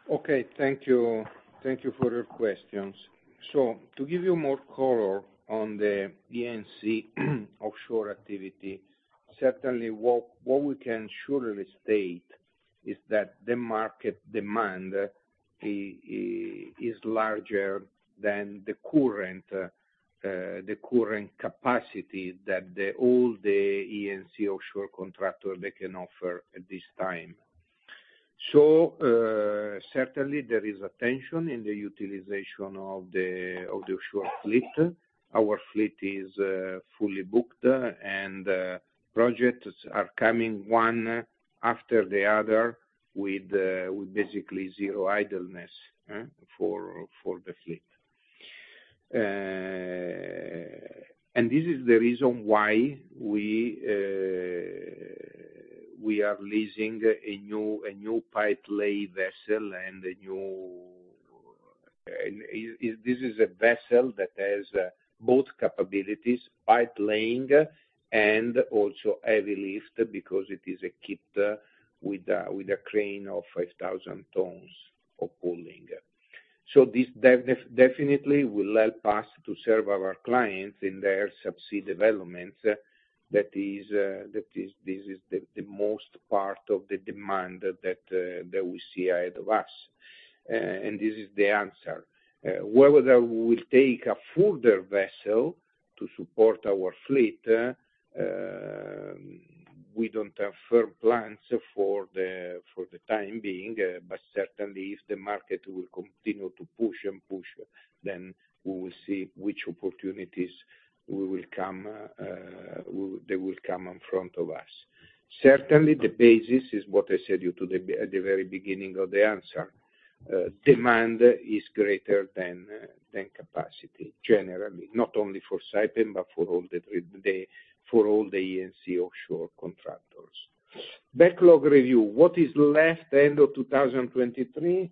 B: Okay. Thank you. Thank you for your questions. To give you more color on the E&C offshore activity, certainly what we can surely state is that the market demand is larger than the current capacity that all the E&C offshore contractor they can offer at this time. Certainly there is a tension in the utilization of the offshore fleet. Our fleet is fully booked, and projects are coming one after the other with basically zero idleness, huh, for the fleet. This is the reason why we are leasing a new pipe lay vessel. This is a vessel that has both capabilities, pipe laying and also heavy lift because it is equipped with a crane of 5,000 tons of pulling. This definitely will help us to serve our clients in their subsea developments. That is, this is the most part of the demand that we see ahead of us. This is the answer. Whether we'll take a further vessel to support our fleet, we don't have firm plans for the time being, but certainly if the market will continue to push and push, then we will see which opportunities will come, they will come in front of us. Certainly the basis is what I said you at the very beginning of the answer. Demand is greater than capacity generally, not only for Saipem, but for all the E&C offshore contractors. Backlog review. What is left end of 2023?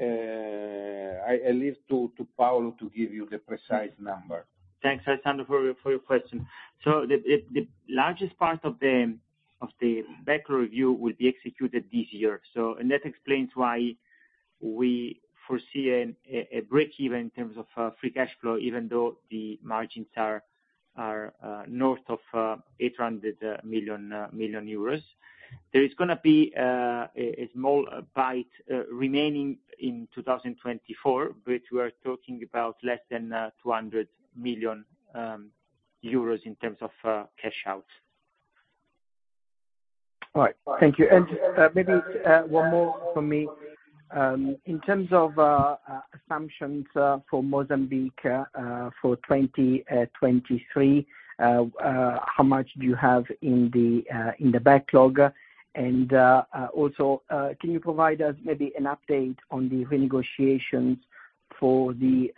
B: I leave to Paolo to give you the precise number.
C: Thanks, Alessandro, for your question. The largest part of the backlog review will be executed this year. That explains why we foresee a breakeven in terms of free cash flow, even though the margins are north of 800 million euros. There is gonna be a small bite remaining in 2024, we are talking about less than 200 million euros in terms of cash out.
D: All right. Thank you. Maybe one more from me. In terms of assumptions for Mozambique for 2023, how much do you have in the backlog? Also, can you provide us maybe an update on the renegotiations for the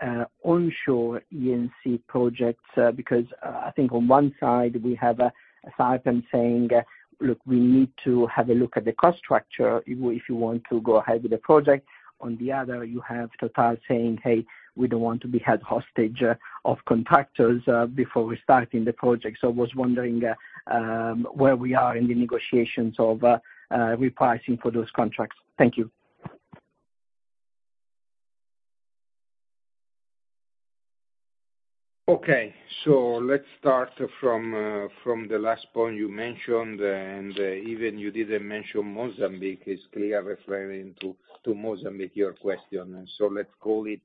D: onshore E&C projects? Because I think on one side we have Saipem saying, "Look, we need to have a look at the cost structure if you want to go ahead with the project." On the other, you have TotalEnergies saying, "Hey, we don't want to be held hostage of contractors before we starting the project." I was wondering where we are in the negotiations of repricing for those contracts. Thank you.
B: Okay. Let's start from from the last point you mentioned, and even you didn't mention Mozambique. It's clear referring to Mozambique, your question. Let's call it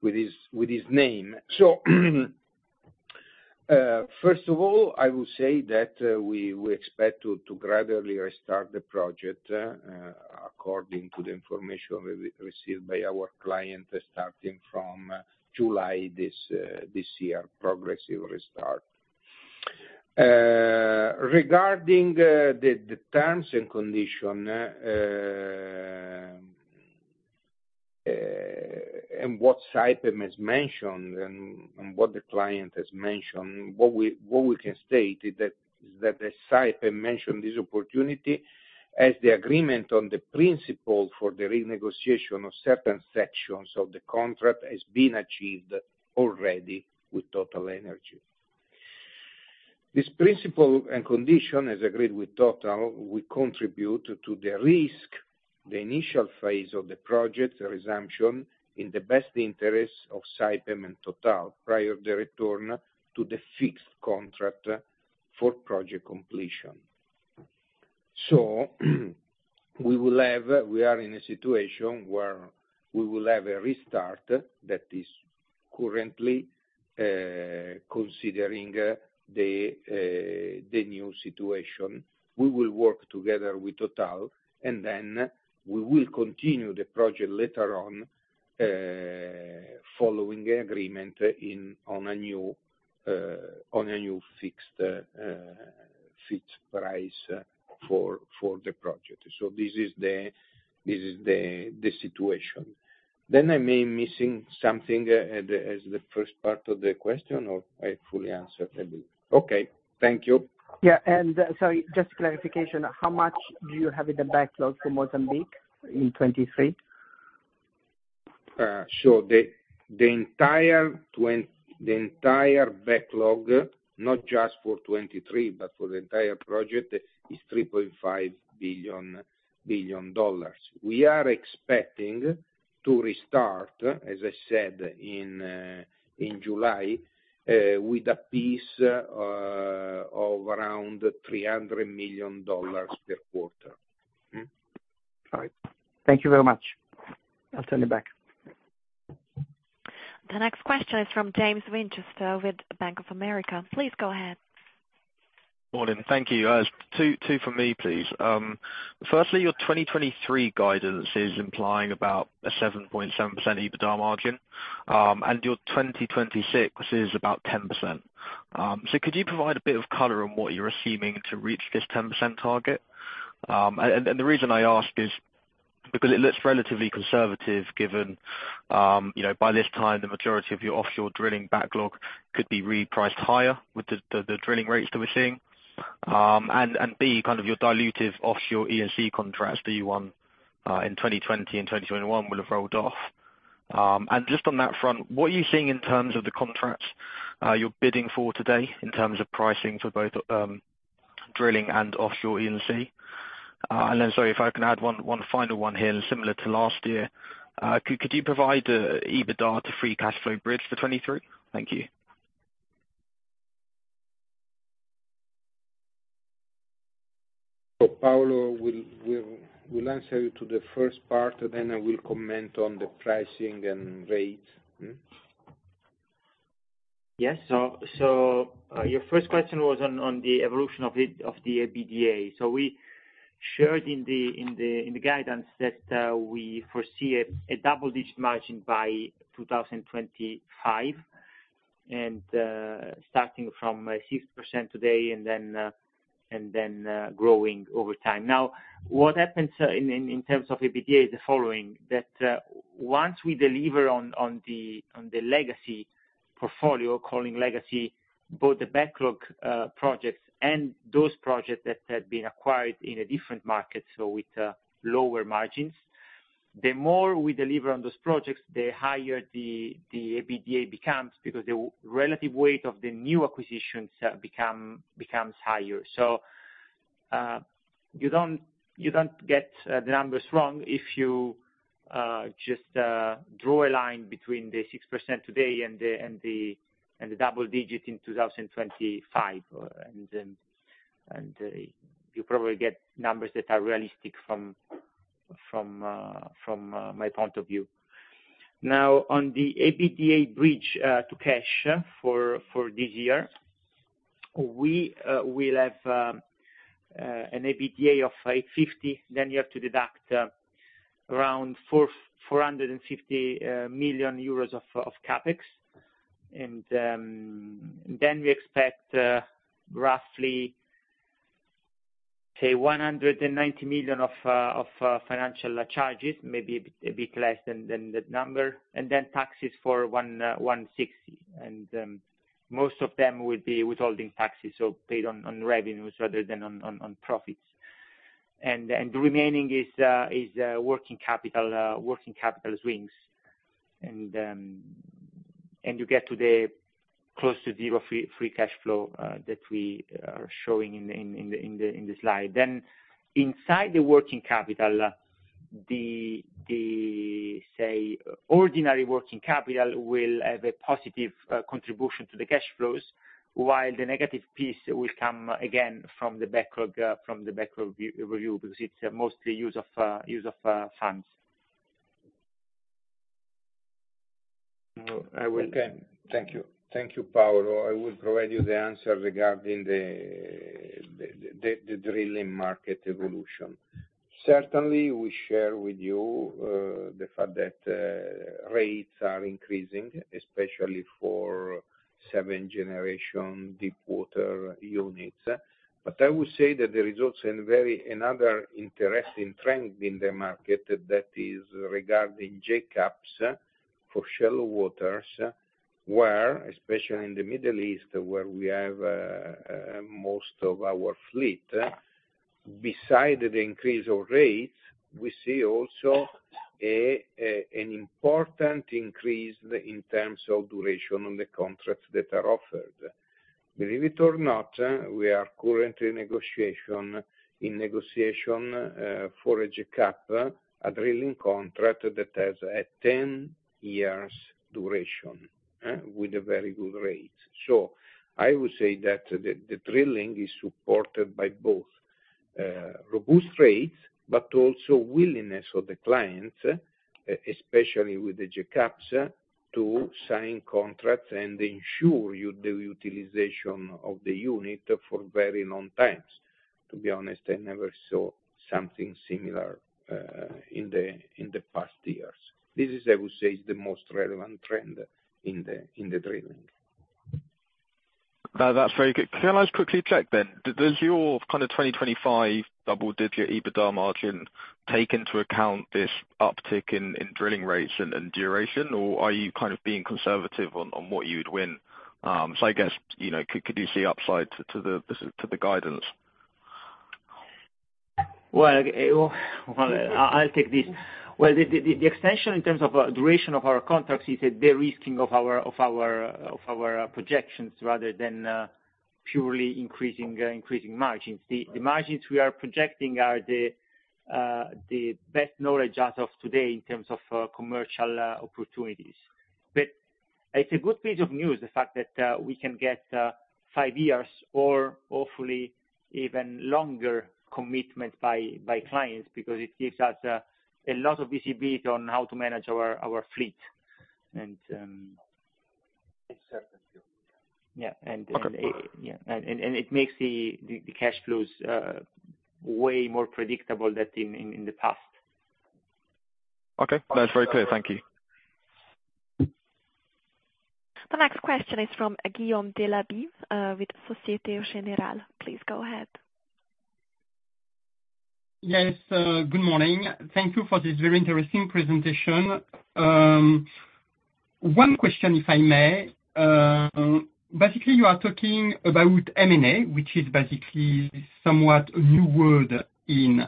B: with his name. First of all, I will say that we expect to gradually restart the project according to the information re-received by our client starting from July this year, progressive restart. Regarding the terms and condition, and what Saipem has mentioned and what the client has mentioned, what we can state is that as Saipem mentioned this opportunity as the agreement on the principle for the renegotiation of certain sections of the contract has been achieved already with TotalEnergies. This principle and condition, as agreed with Total, will contribute to the risk, the initial phase of the project resumption in the best interest of Saipem and Total prior the return to the fixed contract for project completion. We are in a situation where we will have a restart that is currently considering the new situation. We will work together with Total, and then we will continue the project later on, following an agreement in, on a new, on a new fixed price for the project. This is the situation. I may missing something as the first part of the question, or I fully answered it. Okay, thank you.
D: Yeah. Sorry, just clarification. How much do you have in the backlog for Mozambique in 23?
B: Sure. The entire backlog, not just for 23, but for the entire project, is $3.5 billion. We are expecting to restart, as I said, in July with a piece of around $300 million per quarter.
D: All right. Thank you very much. I'll turn it back.
A: The next question is from James Winchester with Bank of America. Please go ahead.
E: Morning. Thank you. Two, two from me, please. Firstly, your 2023 guidance is implying about a 7.7% EBITDA margin, and your 2026 is about 10%. Could you provide a bit of color on what you're assuming to reach this 10% target? And the reason I ask is because it looks relatively conservative given, you know, by this time the majority of your offshore drilling backlog could be repriced higher with the drilling rates that we're seeing. And B, kind of your dilutive offshore E&C contracts that you won in 2020 and 2021 will have rolled off. Just on that front, what are you seeing in terms of the contracts you're bidding for today in terms of pricing for both drilling and offshore E&C? Sorry, if I can add one final one here, similar to last year, could you provide a EBITDA to free cash flow bridge for 23? Thank you.
B: Paolo will answer you to the first part, and then I will comment on the pricing and rates.
C: Yes. Your first question was on the evolution of the EBITDA. We shared in the guidance that we foresee a double-digit margin by 2025, and starting from 6% today and then growing over time. What happens in terms of EBITDA is the following, that once we deliver on the legacy portfolio, calling legacy both the backlog projects and those projects that had been acquired in a different market, so with lower margins, the more we deliver on those projects, the higher the EBITDA becomes because the relative weight of the new acquisitions becomes higher. You don't, you don't get the numbers wrong if you just draw a line between the 6% today and the double-digit in 2025. You probably get numbers that are realistic from my point of view. Now, on the EBITDA bridge to cash for this year, we will have an EBITDA of 850, then you have to deduct around 450 million euros of CapEx. We expect roughly, say 190 million of financial charges, maybe a bit less than that number, and then taxes for 160. Most of them will be withholding taxes, so paid on revenues rather than on profits. The remaining is working capital swings. You get to the close to zero free cash flow that we are showing in the slide. Inside the working capital, the say, ordinary working capital will have a positive contribution to the cash flows, while the negative piece will come again from the backlog review because it's mostly use of funds.
B: No.
C: Okay.
B: Thank you. Thank you, Paolo. I will provide you the answer regarding the drilling market evolution. Certainly, we share with you the fact that rates are increasing, especially for seen generation deep water units. But I would say that there is also another interesting trend in the market that is regarding jackups for shallow waters, where, especially in the Middle East, where we have most of our fleet, beside the increase of rates, we see also an important increase in terms of duration on the contracts that are offered. Believe it or not, we are currently in negotiation for a jackup, a drilling contract that has a 10 years duration with a very good rate. I would say that the drilling is supported by both. Robust rates, but also willingness of the clients, especially with the jackups, to sign contracts and ensure you the utilization of the unit for very long times. To be honest, I never saw something similar in the past years. This is, I would say, is the most relevant trend in the drilling.
E: No, that's very good. Can I just quickly check then? Does your kind of 2025 double-digit EBITDA margin take into account this uptick in drilling rates and duration? Are you kind of being conservative on what you would win? I guess, you know, could you see upside to the guidance?
C: Well, I'll take this. Well, the extension in terms of duration of our contracts is a de-risking of our projections rather than purely increasing margins. The margins we are projecting are the best knowledge as of today in terms of commercial opportunities. It's a good piece of news, the fact that we can get five years or hopefully even longer commitment by clients because it gives us a lot of visibility on how to manage our fleet.
B: It's certain, too.
C: Yeah.
E: Okay.
C: Yeah. It makes the cash flows way more predictable than in the past.
E: Okay. That's very clear. Thank you.
A: The next question is from Guillaume de Labarrière, with Société Générale. Please go ahead.
F: Yes. Good morning. Thank you for this very interesting presentation. One question if I may. Basically, you are talking about M&A, which is basically somewhat a new word in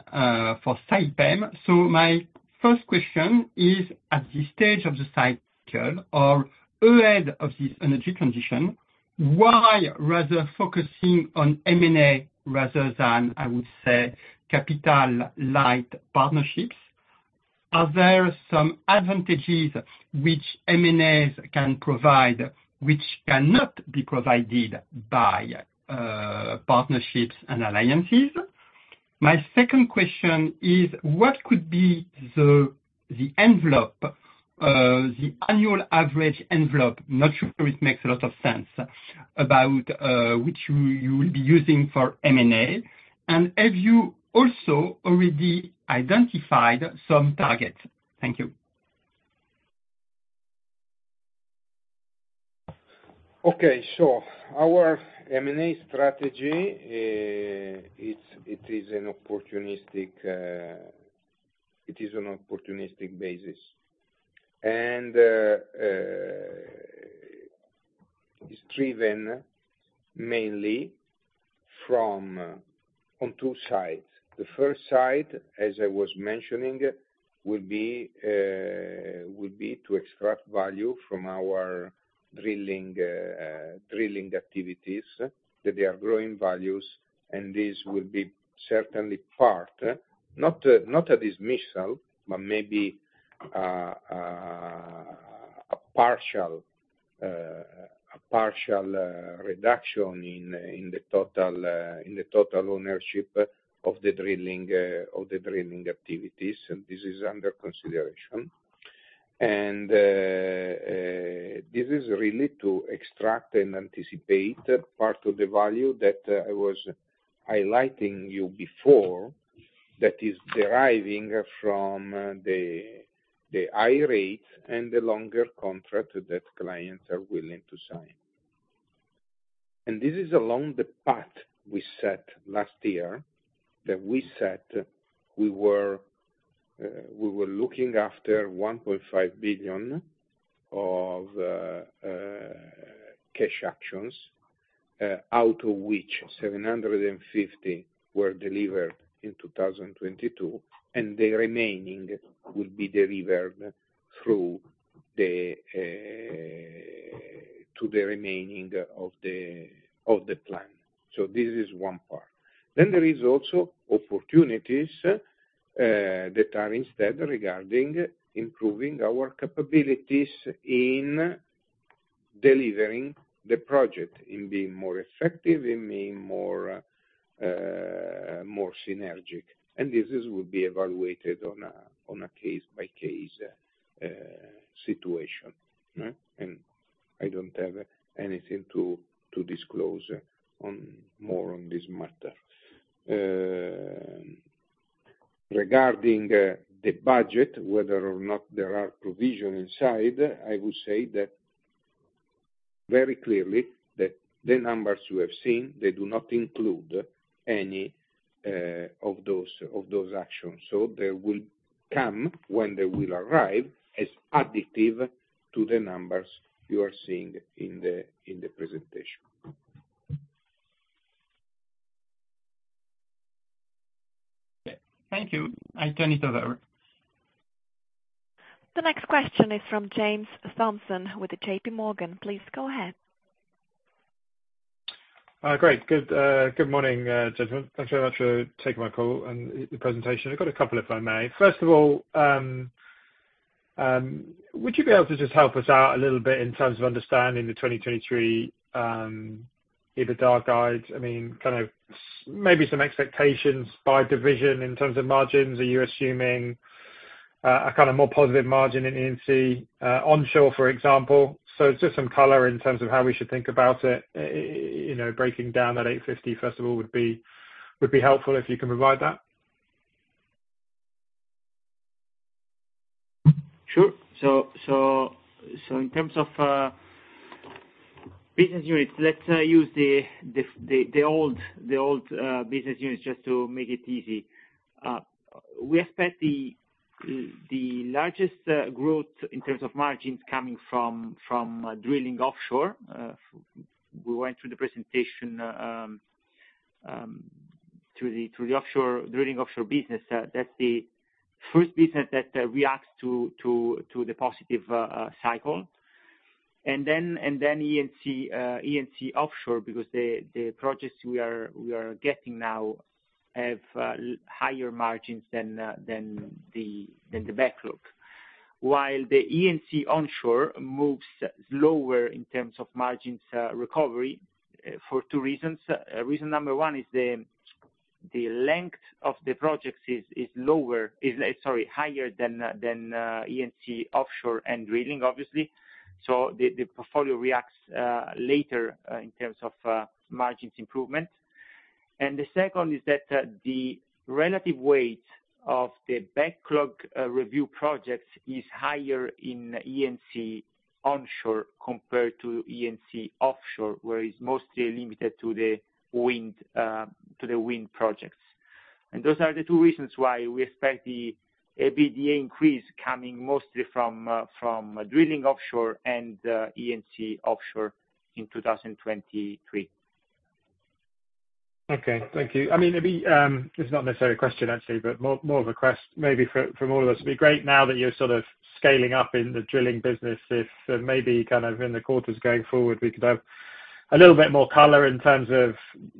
F: for Saipem. My first question is, at this stage of the cycle or ahead of this energy transition, why rather focusing on M&A rather than, I would say, capital light partnerships? Are there some advantages which M&As can provide which cannot be provided by partnerships and alliances? My second question is what could be the envelope, the annual average envelope, not sure it makes a lot of sense, about which you will be using for M&A, and have you also already identified some targets? Thank you.
B: Okay. Our M&A strategy, it is an opportunistic basis. It's driven mainly from on two sides. The first side, as I was mentioning, will be to extract value from our drilling activities that they are growing values and this will be certainly part, not a dismissal, but maybe a partial reduction in the total ownership of the drilling activities, and this is under consideration. This is really to extract and anticipate part of the value that I was highlighting you before that is deriving from the high rate and the longer contract that clients are willing to sign. This is along the path we set last year, that we said we were looking after 1.5 billion of cash actions, out of which 750 million were delivered in 2022, and the remaining will be delivered through the to the remaining of the plan. This is one part. There is also opportunities that are instead regarding improving our capabilities in delivering the project, in being more effective, in being more synergic. This is will be evaluated on a case by case situation. I don't have anything to disclose on more on this matter. Regarding the budget, whether or not there are provision inside, I would say that very clearly that the numbers you have seen, they do not include any of those actions. They will come when they will arrive as additive to the numbers you are seeing in the presentation.
F: Thank you. I turn it over.
A: The next question is from James Thompson with JP Morgan. Please go ahead.
G: Great. Good morning, gentlemen. Thanks very much for taking my call and the presentation. I've got a couple if I may. First of all, would you be able to just help us out a little bit in terms of understanding the 2023 EBITDA guide? I mean, kind of maybe some expectations by division in terms of margins. Are you assuming a kind of more positive margin in E&C onshore, for example? Just some color in terms of how we should think about it, you know, breaking down that 850, first of all, would be helpful if you can provide that.
C: Sure. In terms of business units, let's use the old business units just to make it easy. We expect the largest growth in terms of margins coming from drilling offshore. We went through the presentation through the offshore, drilling offshore business. That's the first business that reacts to the positive cycle. Then E&C E&C offshore because the projects we are getting now have higher margins than the backlog. While the E&C onshore moves slower in terms of margins recovery for two reasons. Reason number one is the length of the projects is lower... is, sorry, higher than E&C offshore and drilling obviously. The portfolio reacts later in terms of margins improvement. The second is that the relative weight of the backlog review projects is higher in E&C onshore compared to E&C offshore, where it's mostly limited to the wind projects. Those are the two reasons why we expect the EBITDA increase coming mostly from drilling offshore and E&C offshore in 2023.
G: Okay. Thank you. I mean, maybe, this is not necessarily a question actually, but more of a request maybe for, from all of us. It'd be great now that you're sort of scaling up in the drilling business if, maybe kind of in the quarters going forward, we could have a little bit more color in terms of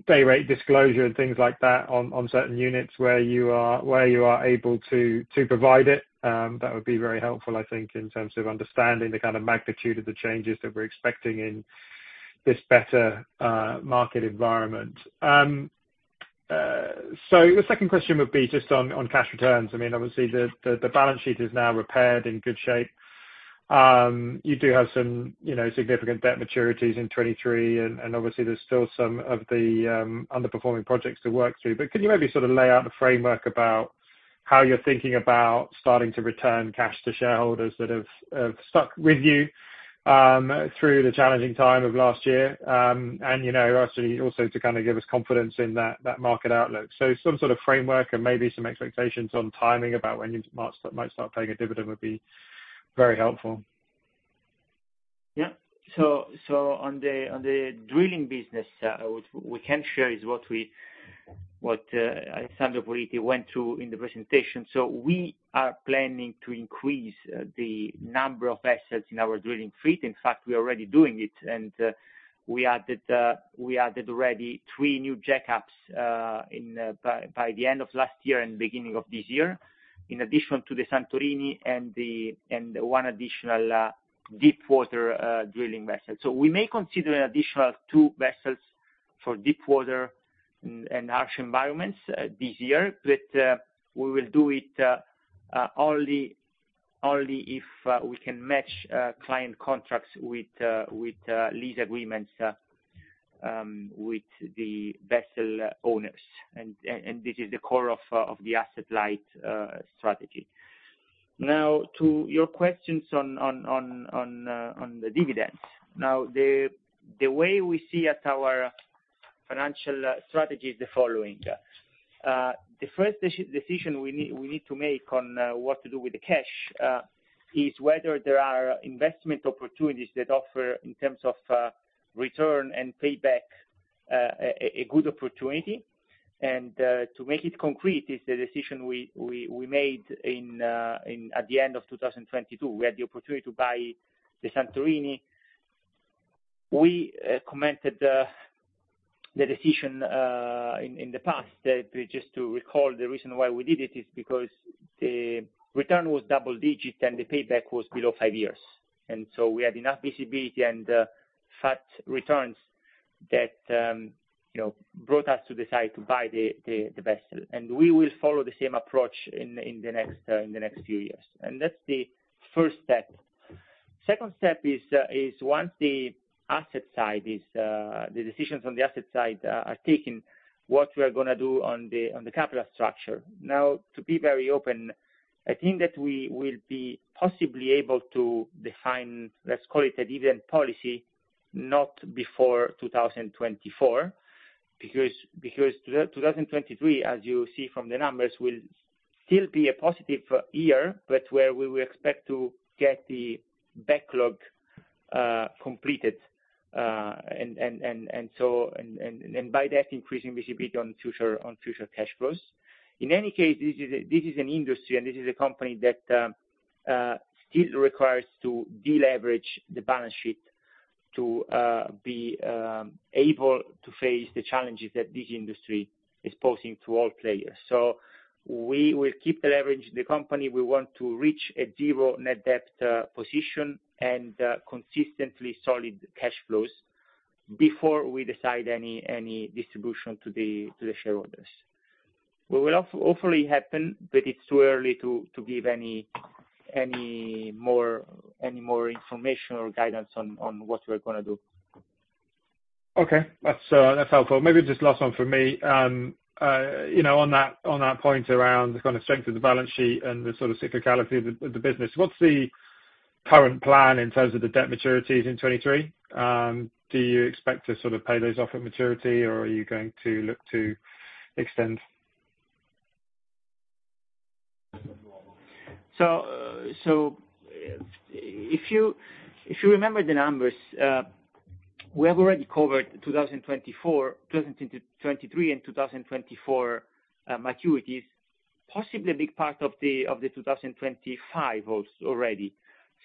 G: day rate disclosure and things like that on certain units where you are able to provide it. That would be very helpful I think in terms of understanding the kind of magnitude of the changes that we're expecting in this better market environment. The second question would be just on cash returns. I mean, obviously the balance sheet is now repaired, in good shape. You do have some, you know, significant debt maturities in 2023 and obviously there's still some of the underperforming projects to work through. Can you maybe sort of lay out the framework about how you're thinking about starting to return cash to shareholders that have stuck with you through the challenging time of last year? You know, actually also to kind of give us confidence in that market outlook. Some sort of framework and maybe some expectations on timing about when you might start paying a dividend would be very helpful.
C: Yeah. On the drilling business, what we can share is what Sandro Puliti went through in the presentation. We are planning to increase the number of vessels in our drilling fleet. In fact, we are already doing it. We added already three new jackups in by the end of last year and beginning of this year, in addition to the Santorini and one additional deep water drilling vessel. We may consider an additional two vessels for deep water and harsh environments this year. We will do it only if we can match client contracts with lease agreements with the vessel owners. This is the core of the asset-light strategy. To your questions on the dividends. The way we see as our financial strategy is the following. The first decision we need to make on what to do with the cash is whether there are investment opportunities that offer in terms of return and payback a good opportunity. To make it concrete is the decision we made at the end of 2022. We had the opportunity to buy the Santorini. We commented the decision in the past. Just to recall the reason why we did it is because the return was double digit, and the payback was below 5 years. We had enough visibility and fat returns that, you know, brought us to decide to buy the vessel. We will follow the same approach in the next few years. That's the first step. Second step is once the asset side is the decisions on the asset side are taken, what we are gonna do on the capital structure. Now, to be very open, I think that we will be possibly able to define, let's call it a dividend policy, not before 2024. Because 2023, as you see from the numbers, will still be a positive year, but where we will expect to get the backlog completed. By that, increasing visibility on future cash flows. In any case, this is an industry and this is a company that still requires to deleverage the balance sheet. To be able to face the challenges that this industry is posing to all players. We will keep the leverage of the company. We want to reach a zero net debt position and consistently solid cash flows before we decide any distribution to the shareholders. We will also hopefully happen, but it's too early to give any more information or guidance on what we're gonna do.
G: Okay. That's, that's helpful. Maybe just last one from me. You know, on that, on that point around the kind of strength of the balance sheet and the sort of cyclicality of the business, what's the current plan in terms of the debt maturities in 2023? Do you expect to sort of pay those off at maturity, or are you going to look to extend?
H: If you remember the numbers, we have already covered 2023 and 2024 maturities, possibly a big part of the 2025 also already.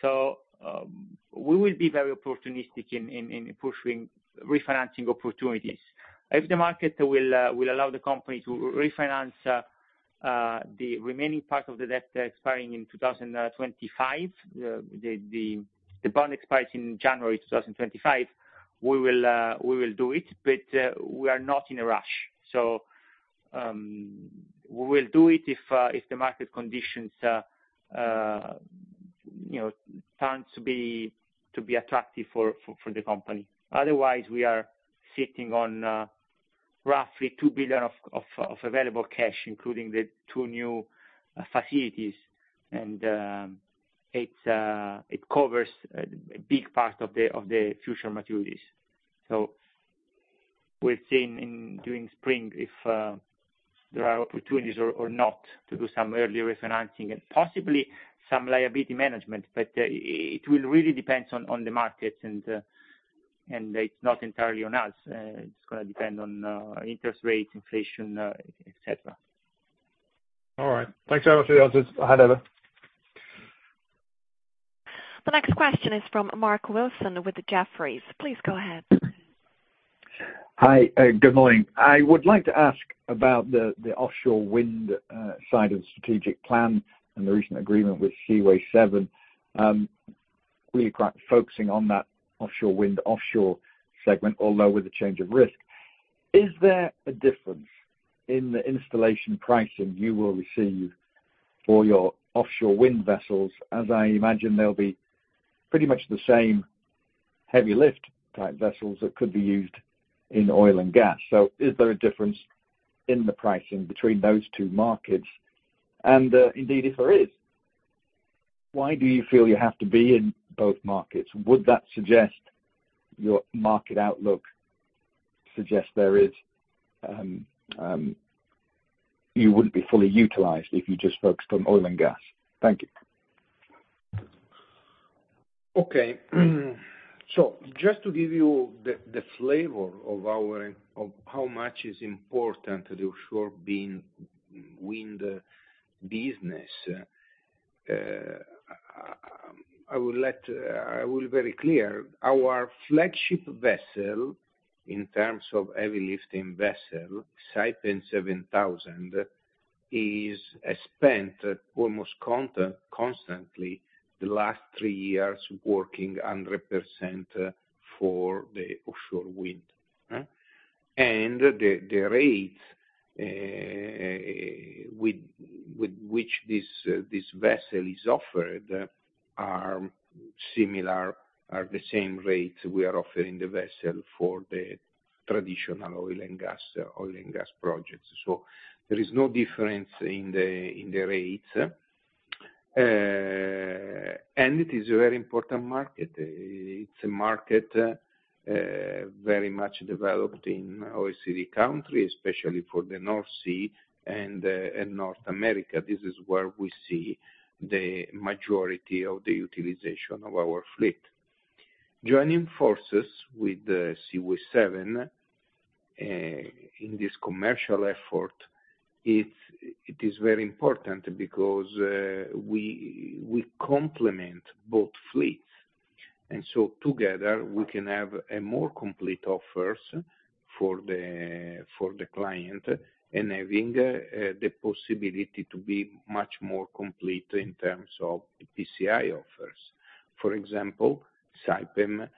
H: We will be very opportunistic in pursuing refinancing opportunities. If the market will allow the company to refinance the remaining part of the debt expiring in 2025, the bond expires in January 2025, we will do it, but we are not in a rush. We will do it if the market conditions, you know, turns to be attractive for the company. Otherwise, we are sitting on roughly 2 billion of available cash, including the two new facilities. It covers a big part of the future maturities. We've seen during spring if there are opportunities or not to do some early refinancing and possibly some liability management. It will really depends on the markets and it's not entirely on us. It's gonna depend on interest rates, inflation, et cetera.
G: All right. Thanks very much, Paulo.
A: The next question is from Mark Wilson with Jefferies. Please go ahead.
I: Hi, good morning. I would like to ask about the offshore wind side of strategic plan and the recent agreement with Seaway7. Clear quite focusing on that offshore wind, offshore segment, although with a change of risk. Is there a difference in the installation pricing you will receive for your offshore wind vessels, as I imagine they'll be pretty much the same heavy lift type vessels that could be used in oil and gas? Is there a difference in the pricing between those two markets? Indeed, if there is, why do you feel you have to be in both markets? Would that suggest your market outlook suggests there is, you wouldn't be fully utilized if you just focused on oil and gas? Thank you.
H: Okay. Just to give you the flavor of how much is important to the offshore wind business, I will very clear. Our flagship vessel in terms of heavy lifting vessel, Saipem 7000, is spent almost constantly the last three years working 100% for the offshore wind. The rates with which this vessel is offered are similar, are the same rate we are offering the vessel for the traditional oil and gas projects. There is no difference in the rates. It is a very important market. It's a market very much developed in OECD countries, especially for the North Sea and North America. This is where we see the majority of the utilization of our fleet. Joining forces with Seaway7, in this commercial effort, it is very important because we complement both fleets. Together we can have a more complete offers for the client in having the possibility to be much more complete in terms of PCI offers. For example, Saipem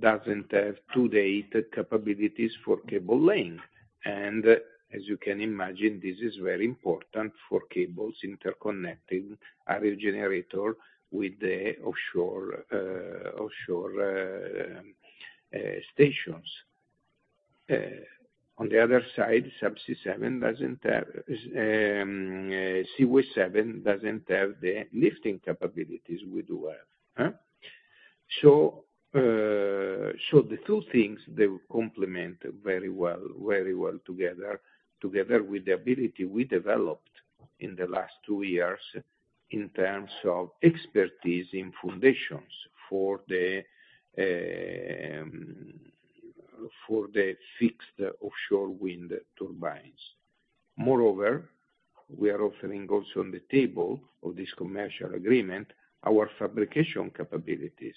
H: doesn't have to-date capabilities for cable laying. As you can imagine, this is very important for cables interconnecting our generator with the offshore stations. On the other side, Seaway7 doesn't have the lifting capabilities we do have. The two things, they will complement very well together, with the ability we developed in the last two years in terms of expertise in foundations for the.
B: For the fixed offshore wind turbines. Moreover, we are offering also on the table of this commercial agreement our fabrication capabilities.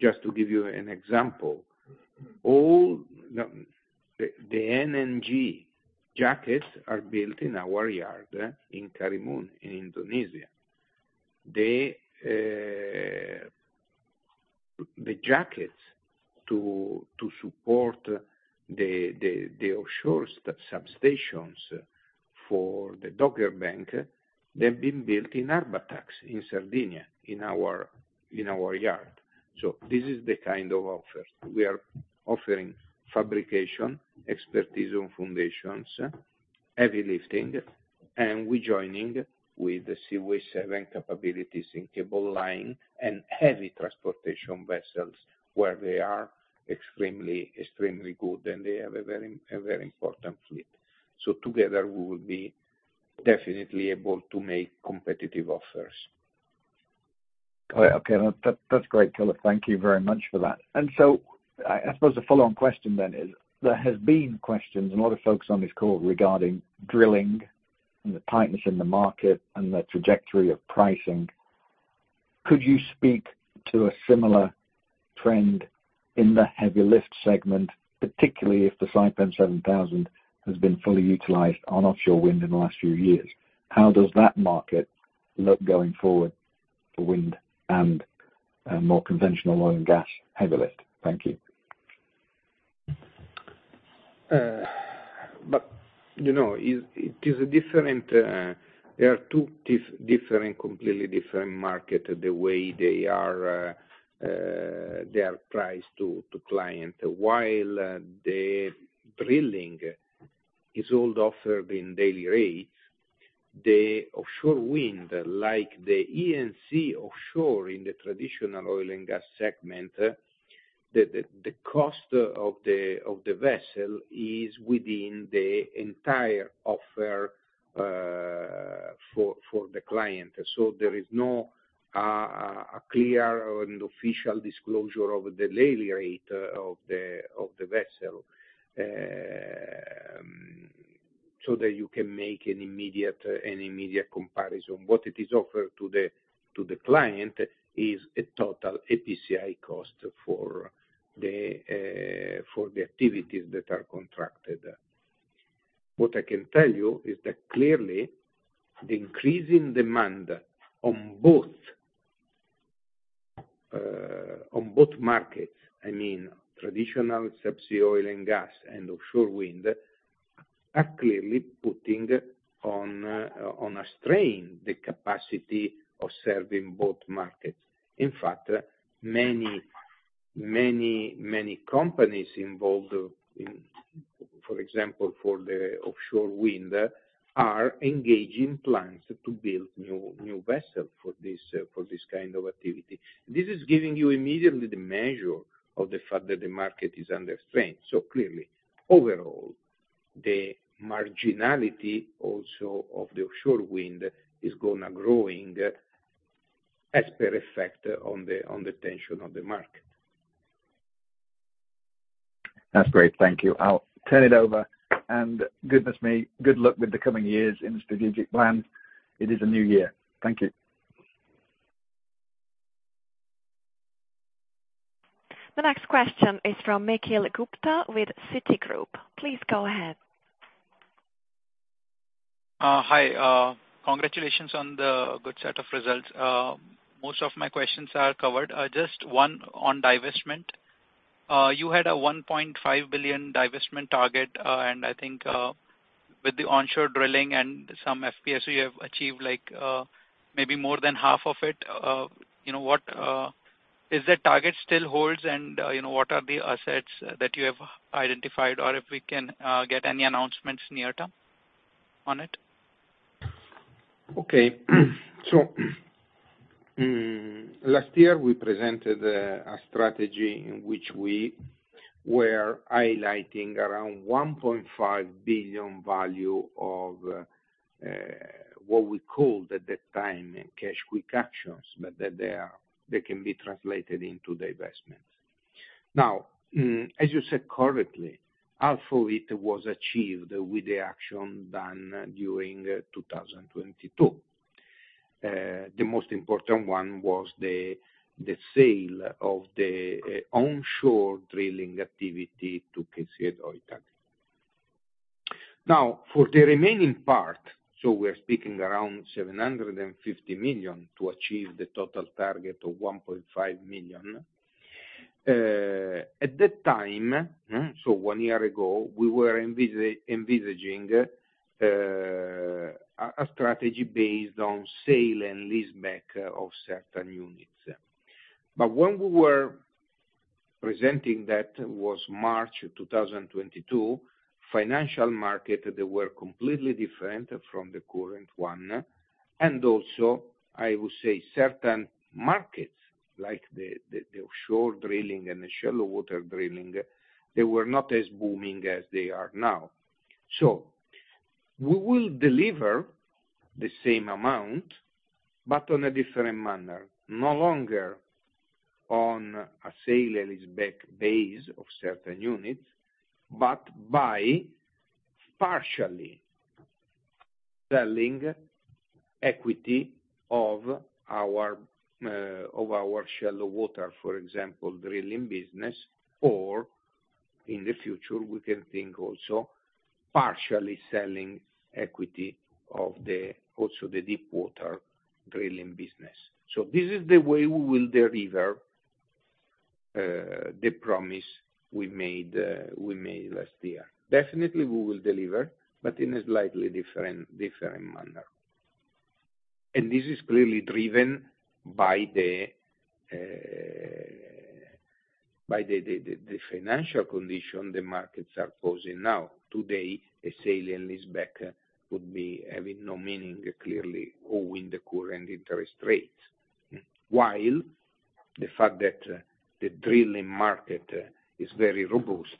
B: just to give you an example, all the NNG jackets are built in our yard in Karimun, in Indonesia. The jackets to support the offshore substations for the Dogger Bank, they're being built in Arbatax, in Sardinia, in our yard. This is the kind of offers. We are offering fabrication, expertise on foundations, heavy lifting, and we joining with the Seaway7 capabilities in cable line and heavy transportation vessels where they are extremely good, and they have a very important fleet. Together, we will be definitely able to make competitive offers.
I: Okay. That's great, Filippo. Thank you very much for that. I suppose the follow-on question then is, there has been questions and a lot of folks on this call regarding drilling and the tightness in the market and the trajectory of pricing. Could you speak to a similar trend in the heavy lift segment, particularly if the Saipem 7000 has been fully utilized on offshore wind in the last few years? How does that market look going forward for wind and more conventional oil and gas heavy lift? Thank you.
B: You know, it is a different. There are two different, completely different market, the way they are priced to client. While the drilling is all offered in daily rates, the offshore wind, like the E&C offshore in the traditional oil and gas segment, the cost of the vessel is within the entire offer for the client. There is no a clear and official disclosure of the daily rate of the vessel, so that you can make an immediate comparison. What it is offered to the client is a total EPCI cost for the activities that are contracted. What I can tell you is that clearly the increasing demand on both, on both markets, I mean traditional subsea oil and gas and offshore wind, are clearly putting on a strain the capacity of serving both markets. Many companies involved in, for example, for the offshore wind, are engaging plans to build new vessels for this kind of activity. This is giving you immediately the measure of the fact that the market is under strain. Clearly, overall, the marginality also of the offshore wind is gonna growing as per effect on the tension of the market.
I: That's great. Thank you. I'll turn it over. Goodness me, good luck with the coming years in the strategic plan. It is a new year. Thank you.
A: The next question is from Nikhil Gupta with Citigroup. Please go ahead.
J: Hi. Congratulations on the good set of results. Most of my questions are covered. Just one on divestment. You had a 1.5 billion divestment target, and I think, with the onshore drilling and some FPSOs you have achieved like, maybe more than half of it. You know, what, is that target still holds? What are the assets that you have identified? Or if we can, get any announcements near-term on it?
B: Okay. Last year we presented a strategy in which we were highlighting around 1.5 billion value of what we called at that time cash quick actions, but they can be translated into divestments. As you said correctly, half of it was achieved with the action done during 2022. The most important one was the sale of the onshore drilling activity to KCA Deutag. For the remaining part, we're speaking around 750 million to achieve the total target of 1.5 million. At that time, one year ago, we were envisaging a strategy based on sale and leaseback of certain units. When we were presenting that was March 2022, financial market, they were completely different from the current one. Also, I would say certain markets, like the offshore drilling and the shallow water drilling, they were not as booming as they are now. We will deliver the same amount, but on a different manner. No longer on a sale and lease back base of certain units, but by partially selling equity of our shallow water, for example, drilling business, or in the future, we can think also partially selling equity also the deep water drilling business. This is the way we will deliver the promise we made last year. Definitely, we will deliver, but in a slightly different manner. This is clearly driven by the financial condition the markets are posing now. Today, a sale and lease back would be having no meaning clearly owing the current interest rates. The fact that the drilling market is very robust,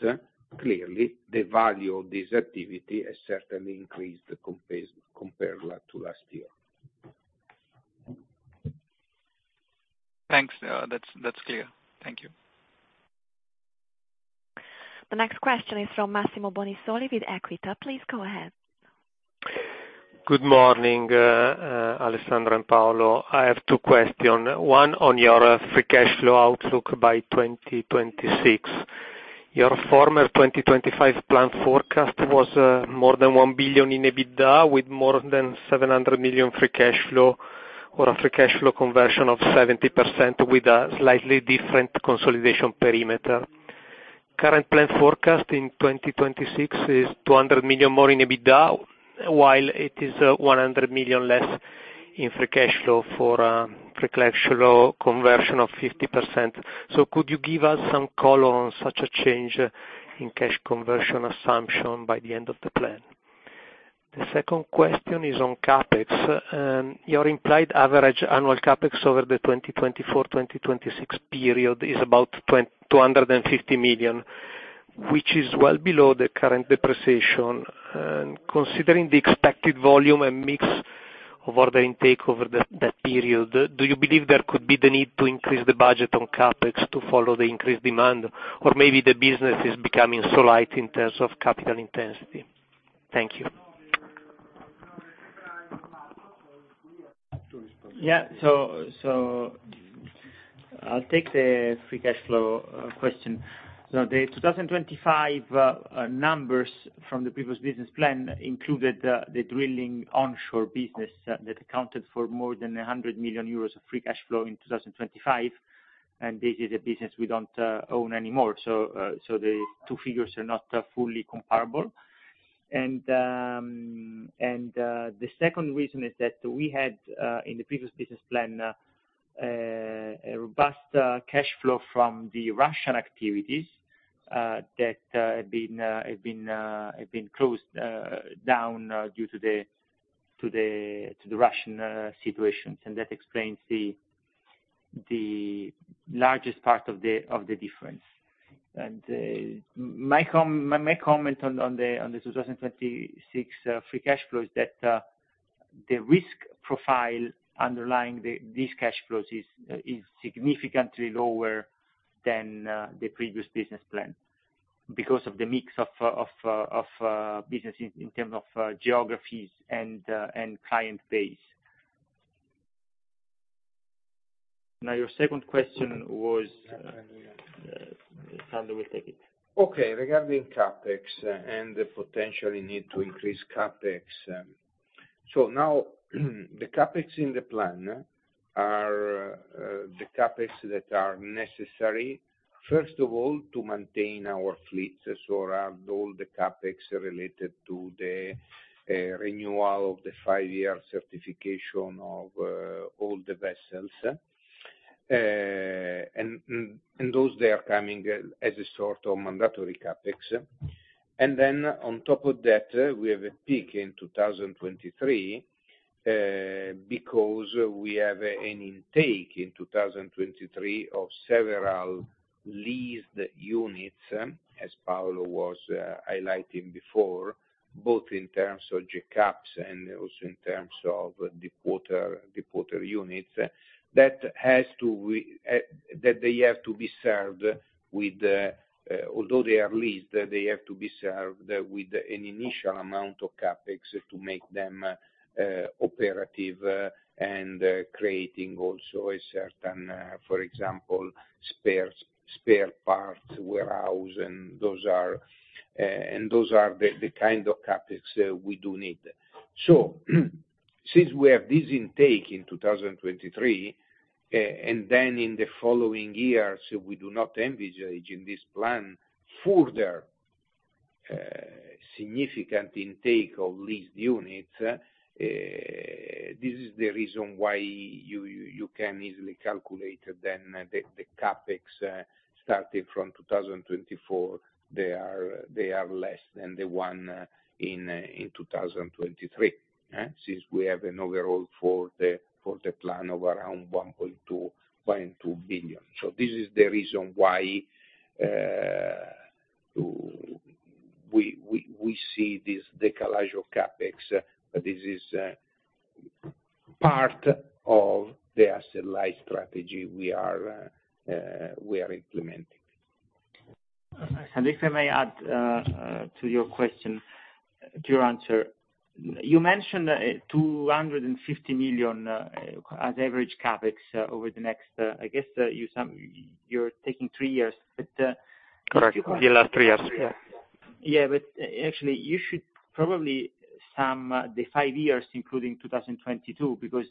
B: clearly the value of this activity has certainly increased compared to last year.
D: Thanks. That's clear. Thank you.
A: The next question is from Massimo Bonisoli with Equita. Please go ahead.
K: Good morning, Alessandro and Paolo. I have two question. One on your free cash flow outlook by 2026. Your former 2025 plan forecast was more than 1 billion in EBITDA with more than 700 million free cash flow or a free cash flow conversion of 70% with a slightly different consolidation perimeter. Current plan forecast in 2026 is 200 million more in EBITDA, while it is 100 million less in free cash flow for a free cash flow conversion of 50%. Could you give us some color on such a change in cash conversion assumption by the end of the plan? The second question is on CapEx. Your implied average annual CapEx over the 2024-2026 period is about 250 million, which is well below the current depreciation. Considering the expected volume and mix of order intake over that period, do you believe there could be the need to increase the budget on CapEx to follow the increased demand, or maybe the business is becoming so light in terms of capital intensity? Thank you.
B: Do you want to respond to that?
C: Yeah. I'll take the free cash flow question. The 2025 numbers from the previous business plan included the drilling onshore business that accounted for more than 100 million euros of free cash flow in 2025, and this is a business we don't own anymore. The two figures are not fully comparable. The second reason is that we had in the previous business plan a robust cash flow from the Russian activities that have been closed down due to the Russian situations. That explains the largest part of the difference. My comment on the 2026 free cash flow is that the risk profile underlying these cash flows is significantly lower than the previous business plan because of the mix of business in term of geographies and client base. Your second question was, Paolo will take it.
B: Okay, regarding CapEx and the potential need to increase CapEx. Now, the CapEx in the plan are the CapEx that are necessary, first of all, to maintain our fleets. Around all the CapEx related to the renewal of the five-year certification of all the vessels. Those, they are coming as a sort of mandatory CapEx. On top of that, we have a peak in 2023 because we have an intake in 2023 of several leased units, as Paolo was highlighting before, both in terms of jackups and also in terms of the quarter units. That has to be, that they have to be served with, although they are leased, they have to be served with an initial amount of CapEx to make them operative, and creating also a certain, for example, spares, spare parts, warehouse, and those are the kind of CapEx we do need. Since we have this intake in 2023, and then in the following years, we do not envisage in this plan further significant intake of leased units, this is the reason why you can easily calculate then the CapEx starting from 2024, they are less than the one in 2023. Since we have an overall for the plan of around 1.2 billion. This is the reason why.
H: We see this deleeraging of CapEx, this is part of the asset light strategy we are implementing.
C: If I may add to your question, to your answer. You mentioned 250 million as average CapEx over the next, I guess, you're taking three years, but.
H: Correct. The last three years.
C: Actually, you should probably sum the 5 years, including 2022, because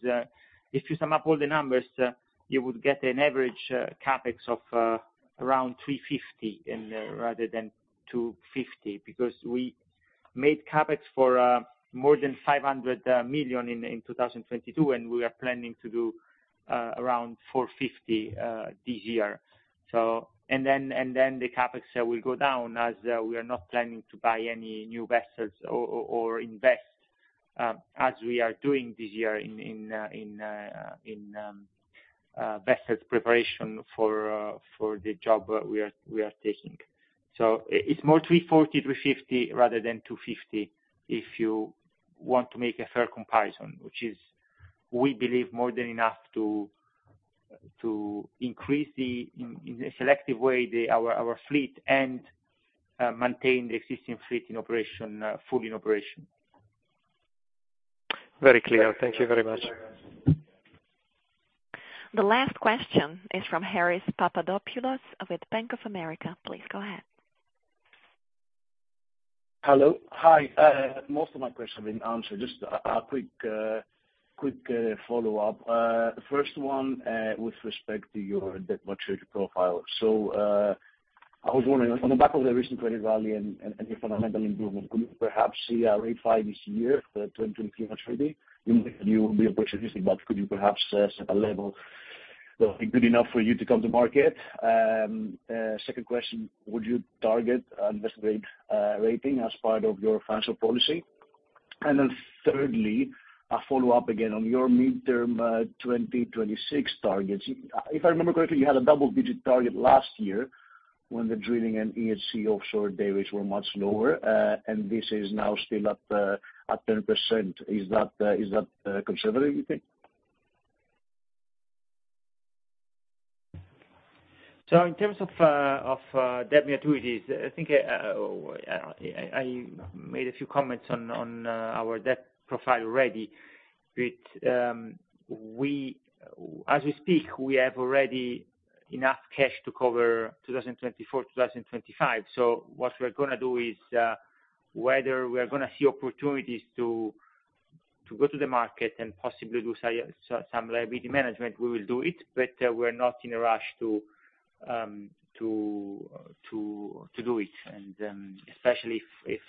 C: if you sum up all the numbers, you would get an average CapEx of around 350 million rather than 250 million. Because we made CapEx for more than 500 million in 2022, and we are planning to do around 450 million this year. Then the CapEx will go down as we are not planning to buy any new vessels or invest as we are doing this year in vessels preparation for the job we are taking. It's more 340, 350 rather than 250, if you want to make a fair comparison, which is, we believe more than enough to increase the, in a selective way, the, our fleet and maintain the existing fleet in operation, full in operation. Very clear. Thank you very much.
A: The last question is from Haris Poutounes with Bank of America. Please go ahead.
L: Hello. Hi. Most of my questions have been answered. Just a quick follow-up. The first one, with respect to your debt maturity profile. I was wondering, on the back of the recent credit rally and any fundamental improvement, could you perhaps see a rate five this year for the 2023 maturity? Even if you will be opportunistic, but could you perhaps set a level that will be good enough for you to come to market? Second question, would you target investment grade rating as part of your financial policy? Thirdly, a follow-up again on your midterm 2026 targets. If I remember correctly, you had a double-digit target last year when the drilling and E&C offshore dayrates were much lower, and this is now still at 10%. Is that, is that conservative, you think?
C: In terms of debt maturities, I made a few comments on our debt profile already, which, as we speak, we have already enough cash to cover 2024, 2025. What we're gonna do is whether we are gonna see opportunities to go to the market and possibly do some liability management, we will do it, but we're not in a rush to do it. Especially if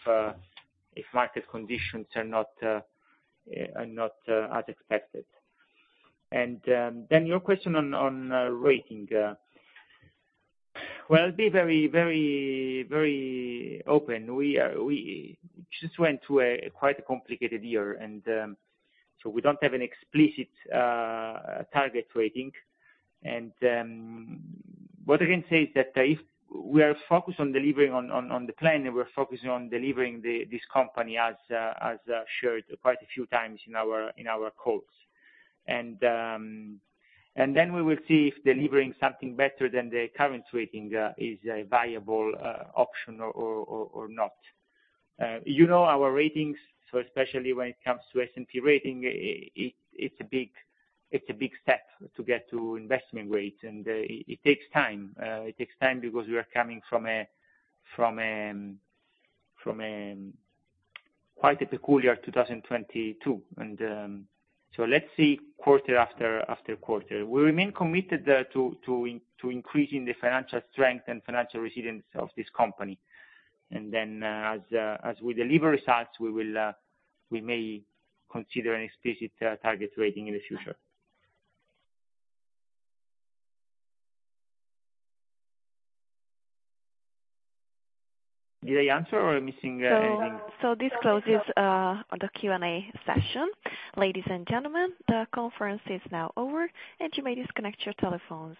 C: market conditions are not as expected. Your question on rating. I'll be very open. We just went through a quite a complicated year and we don't have an explicit target rating. What I can say is that if we are focused on delivering on the plan, and we're focusing on delivering this company as shared quite a few times in our calls. Then we will see if delivering something better than the current rating is a viable option or not. You know our ratings, so especially when it comes to S&P rating, it's a big step to get to investment grade, and it takes time. It takes time because we are coming from a quite a peculiar 2022. So let's see quarter after quarter. We remain committed to increasing the financial strength and financial resilience of this company. As we deliver results, we will, we may consider an explicit target rating in the future. Did I answer or missing anything?
A: This closes the Q&A session. Ladies and gentlemen, the conference is now over. You may disconnect your telephones.